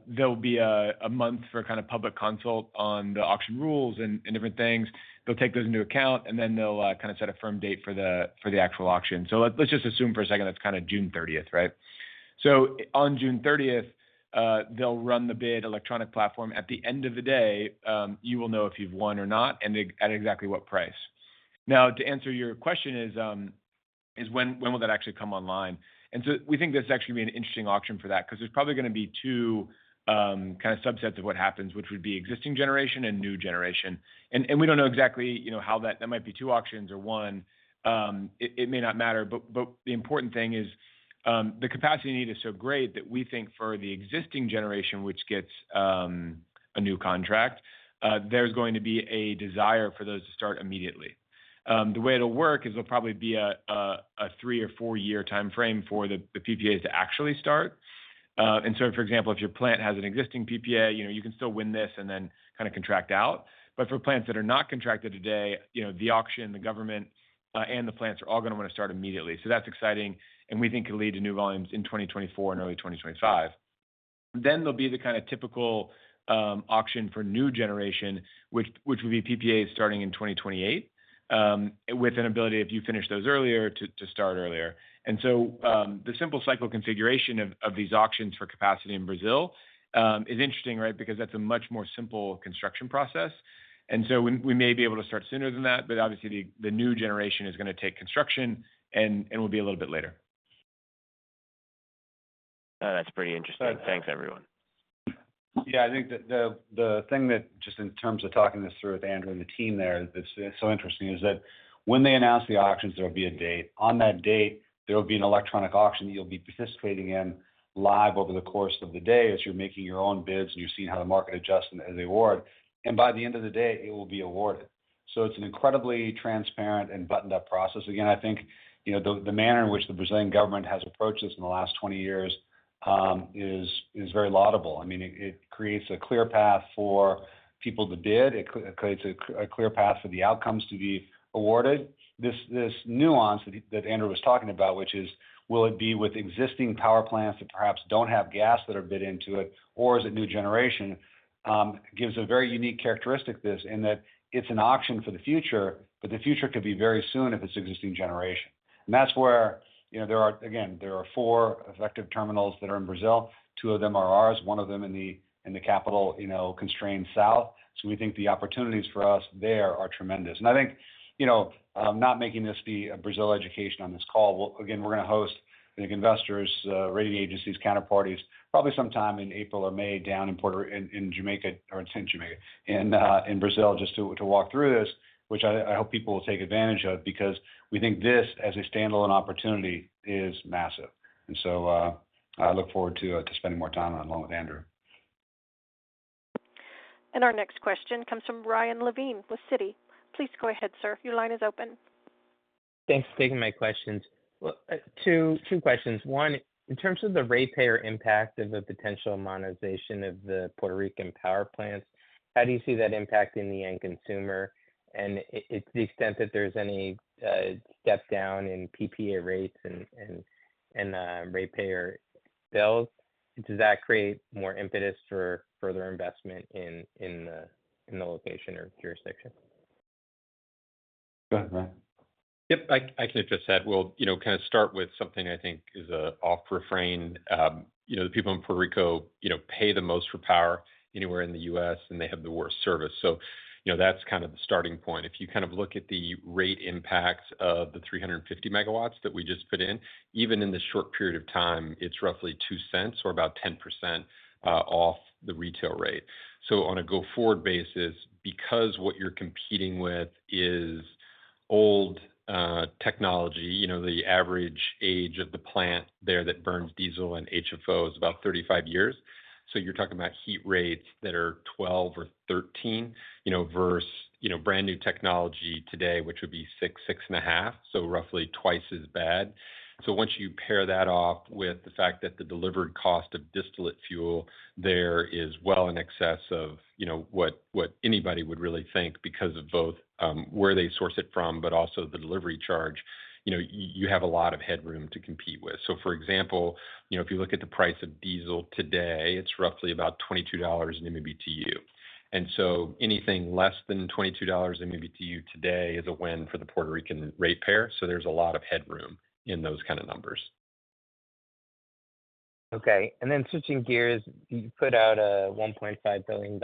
There'll be a month for kind of public consult on the auction rules and different things. They'll take those into account, and then they'll kind of set a firm date for the actual auction. So let's just assume for a second that's kind of June 30th, right? So on June 30th, they'll run the bid electronic platform. At the end of the day, you will know if you've won or not and at exactly what price. Now, to answer your question is, when will that actually come online? And so we think this is actually going to be an interesting auction for that because there's probably going to be two kind of subsets of what happens, which would be existing generation and new generation. And we don't know exactly how that might be two auctions or one. It may not matter. But the important thing is the capacity need is so great that we think for the existing generation, which gets a new contract, there's going to be a desire for those to start immediately. The way it'll work is there'll probably be a three or four-year time frame for the PPAs to actually start. And so, for example, if your plant has an existing PPA, you can still win this and then kind of contract out. But for plants that are not contracted today, the auction, the government, and the plants are all going to want to start immediately. So that's exciting. And we think it'll lead to new volumes in 2024 and early 2025. Then there'll be the kind of typical auction for new generation, which would be PPAs starting in 2028 with an ability, if you finish those earlier, to start earlier. And so the simple cycle configuration of these auctions for capacity in Brazil is interesting, right, because that's a much more simple construction process. And so we may be able to start sooner than that. But obviously, the new generation is going to take construction and will be a little bit later. That's pretty interesting. Thanks, everyone. Yeah. I think the thing that, just in terms of talking this through with Andrew and the team there, it's so interesting is that when they announce the auctions, there'll be a date. On that date, there'll be an electronic auction that you'll be participating in live over the course of the day as you're making your own bids and you're seeing how the market adjusts and is awarded. And by the end of the day, it will be awarded. So it's an incredibly transparent and buttoned-up process. Again, I think the manner in which the Brazilian government has approached this in the last 20 years is very laudable. I mean, it creates a clear path for people to bid. It creates a clear path for the outcomes to be awarded. This nuance that Andrew was talking about, which is, will it be with existing power plants that perhaps don't have gas that are bid into it, or is it new generation, gives a very unique characteristic to this in that it's an auction for the future, but the future could be very soon if it's existing generation. And that's where there are again, there are four effective terminals that are in Brazil. Two of them are ours, one of them in the capital constrained south. So we think the opportunities for us there are tremendous. And I think not making this be a Brazil education on this call. Again, we're going to host, I think, investors, rating agencies, counterparties, probably sometime in April or May down in Jamaica or in Jamaica in Brazil just to walk through this, which I hope people will take advantage of because we think this as a standalone opportunity is massive. And so I look forward to spending more time along with Andrew. Our next question comes from Ryan Levine with Citi. Please go ahead, sir. Your line is open. Thanks for taking my questions. Two questions. One, in terms of the ratepayer impact of the potential monetization of the Puerto Rican power plants, how do you see that impacting the end consumer and to the extent that there's any step down in PPA rates and ratepayer bills? Does that create more impetus for further investment in the location or jurisdiction? Go ahead, Brannen. Yep. I can address that. We'll kind of start with something I think is an off-ramp. The people in Puerto Rico pay the most for power anywhere in the U.S., and they have the worst service. So that's kind of the starting point. If you kind of look at the rate impacts of the 350 MW that we just put in, even in the short period of time, it's roughly $0.02 or about 10% off the retail rate. So on a go-forward basis, because what you're competing with is old technology, the average age of the plant there that burns diesel and HFO is about 35 years. So you're talking about heat rates that are 12 or 13 versus brand new technology today, which would be 6-6.5, so roughly twice as bad. So once you pair that off with the fact that the delivered cost of distillate fuel there is well in excess of what anybody would really think because of both where they source it from, but also the delivery charge, you have a lot of headroom to compete with. So for example, if you look at the price of diesel today, it's roughly about $22 an MMBTU. And so anything less than $22 MMBTU today is a win for the Puerto Rican rate payer. So there's a lot of headroom in those kind of numbers. Okay. And then switching gears, you put out a $1.5 billion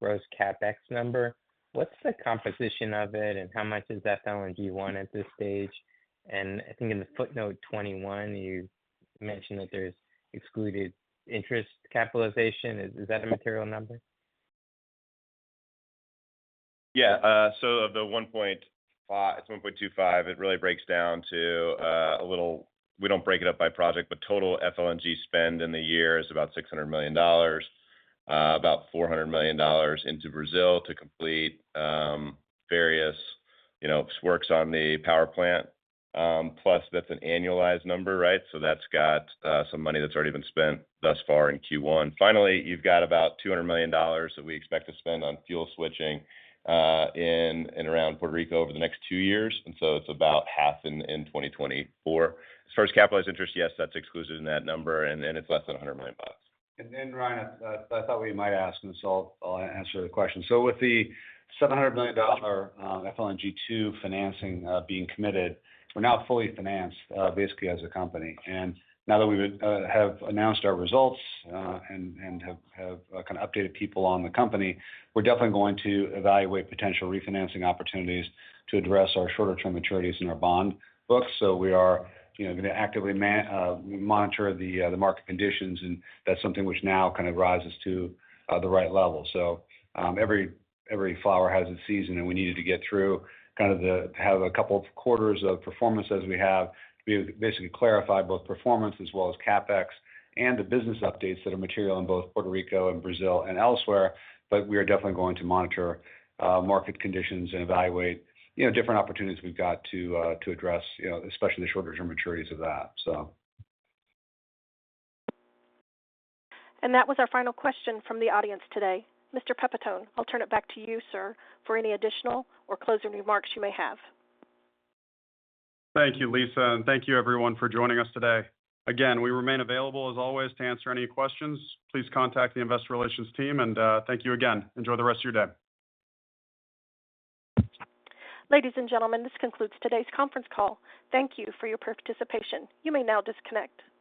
gross CapEx number. What's the composition of it, and how much is FLNG1 at this stage? And I think in the footnote 21, you mentioned that there's excluded interest capitalization. Is that a material number? Yeah. So of the 1.5, it's 1.25. It really breaks down to a little we don't break it up by project, but total FLNG spend in the year is about $600 million, about $400 million into Brazil to complete various works on the power plant. Plus, that's an annualized number, right? So that's got some money that's already been spent thus far in Q1. Finally, you've got about $200 million that we expect to spend on fuel switching in and around Puerto Rico over the next two years. And so it's about half in 2024. As far as capitalized interest, yes, that's excluded in that number, and it's less than $100 million bucks. And then, Ryan, I thought we might ask this, so I'll answer the question. So with the $700 million FLNG2 financing being committed, we're now fully financed, basically, as a company. And now that we have announced our results and have kind of updated people on the company, we're definitely going to evaluate potential refinancing opportunities to address our shorter-term maturities in our bond books. So we are going to actively monitor the market conditions, and that's something which now kind of rises to the right level. So every flower has its season, and we needed to get through kind of a couple of quarters of performance as we have to be able to basically clarify both performance as well as CapEx and the business updates that are material in both Puerto Rico and Brazil and elsewhere. But we are definitely going to monitor market conditions and evaluate different opportunities we've got to address, especially the shorter-term maturities of that, so. That was our final question from the audience today. Mr. Pipitone, I'll turn it back to you, sir, for any additional or closing remarks you may have. Thank you, Lisa. Thank you, everyone, for joining us today. Again, we remain available as always to answer any questions. Please contact the investor relations team. Thank you again. Enjoy the rest of your day. Ladies and gentlemen, this concludes today's conference call. Thank you for your participation. You may now disconnect.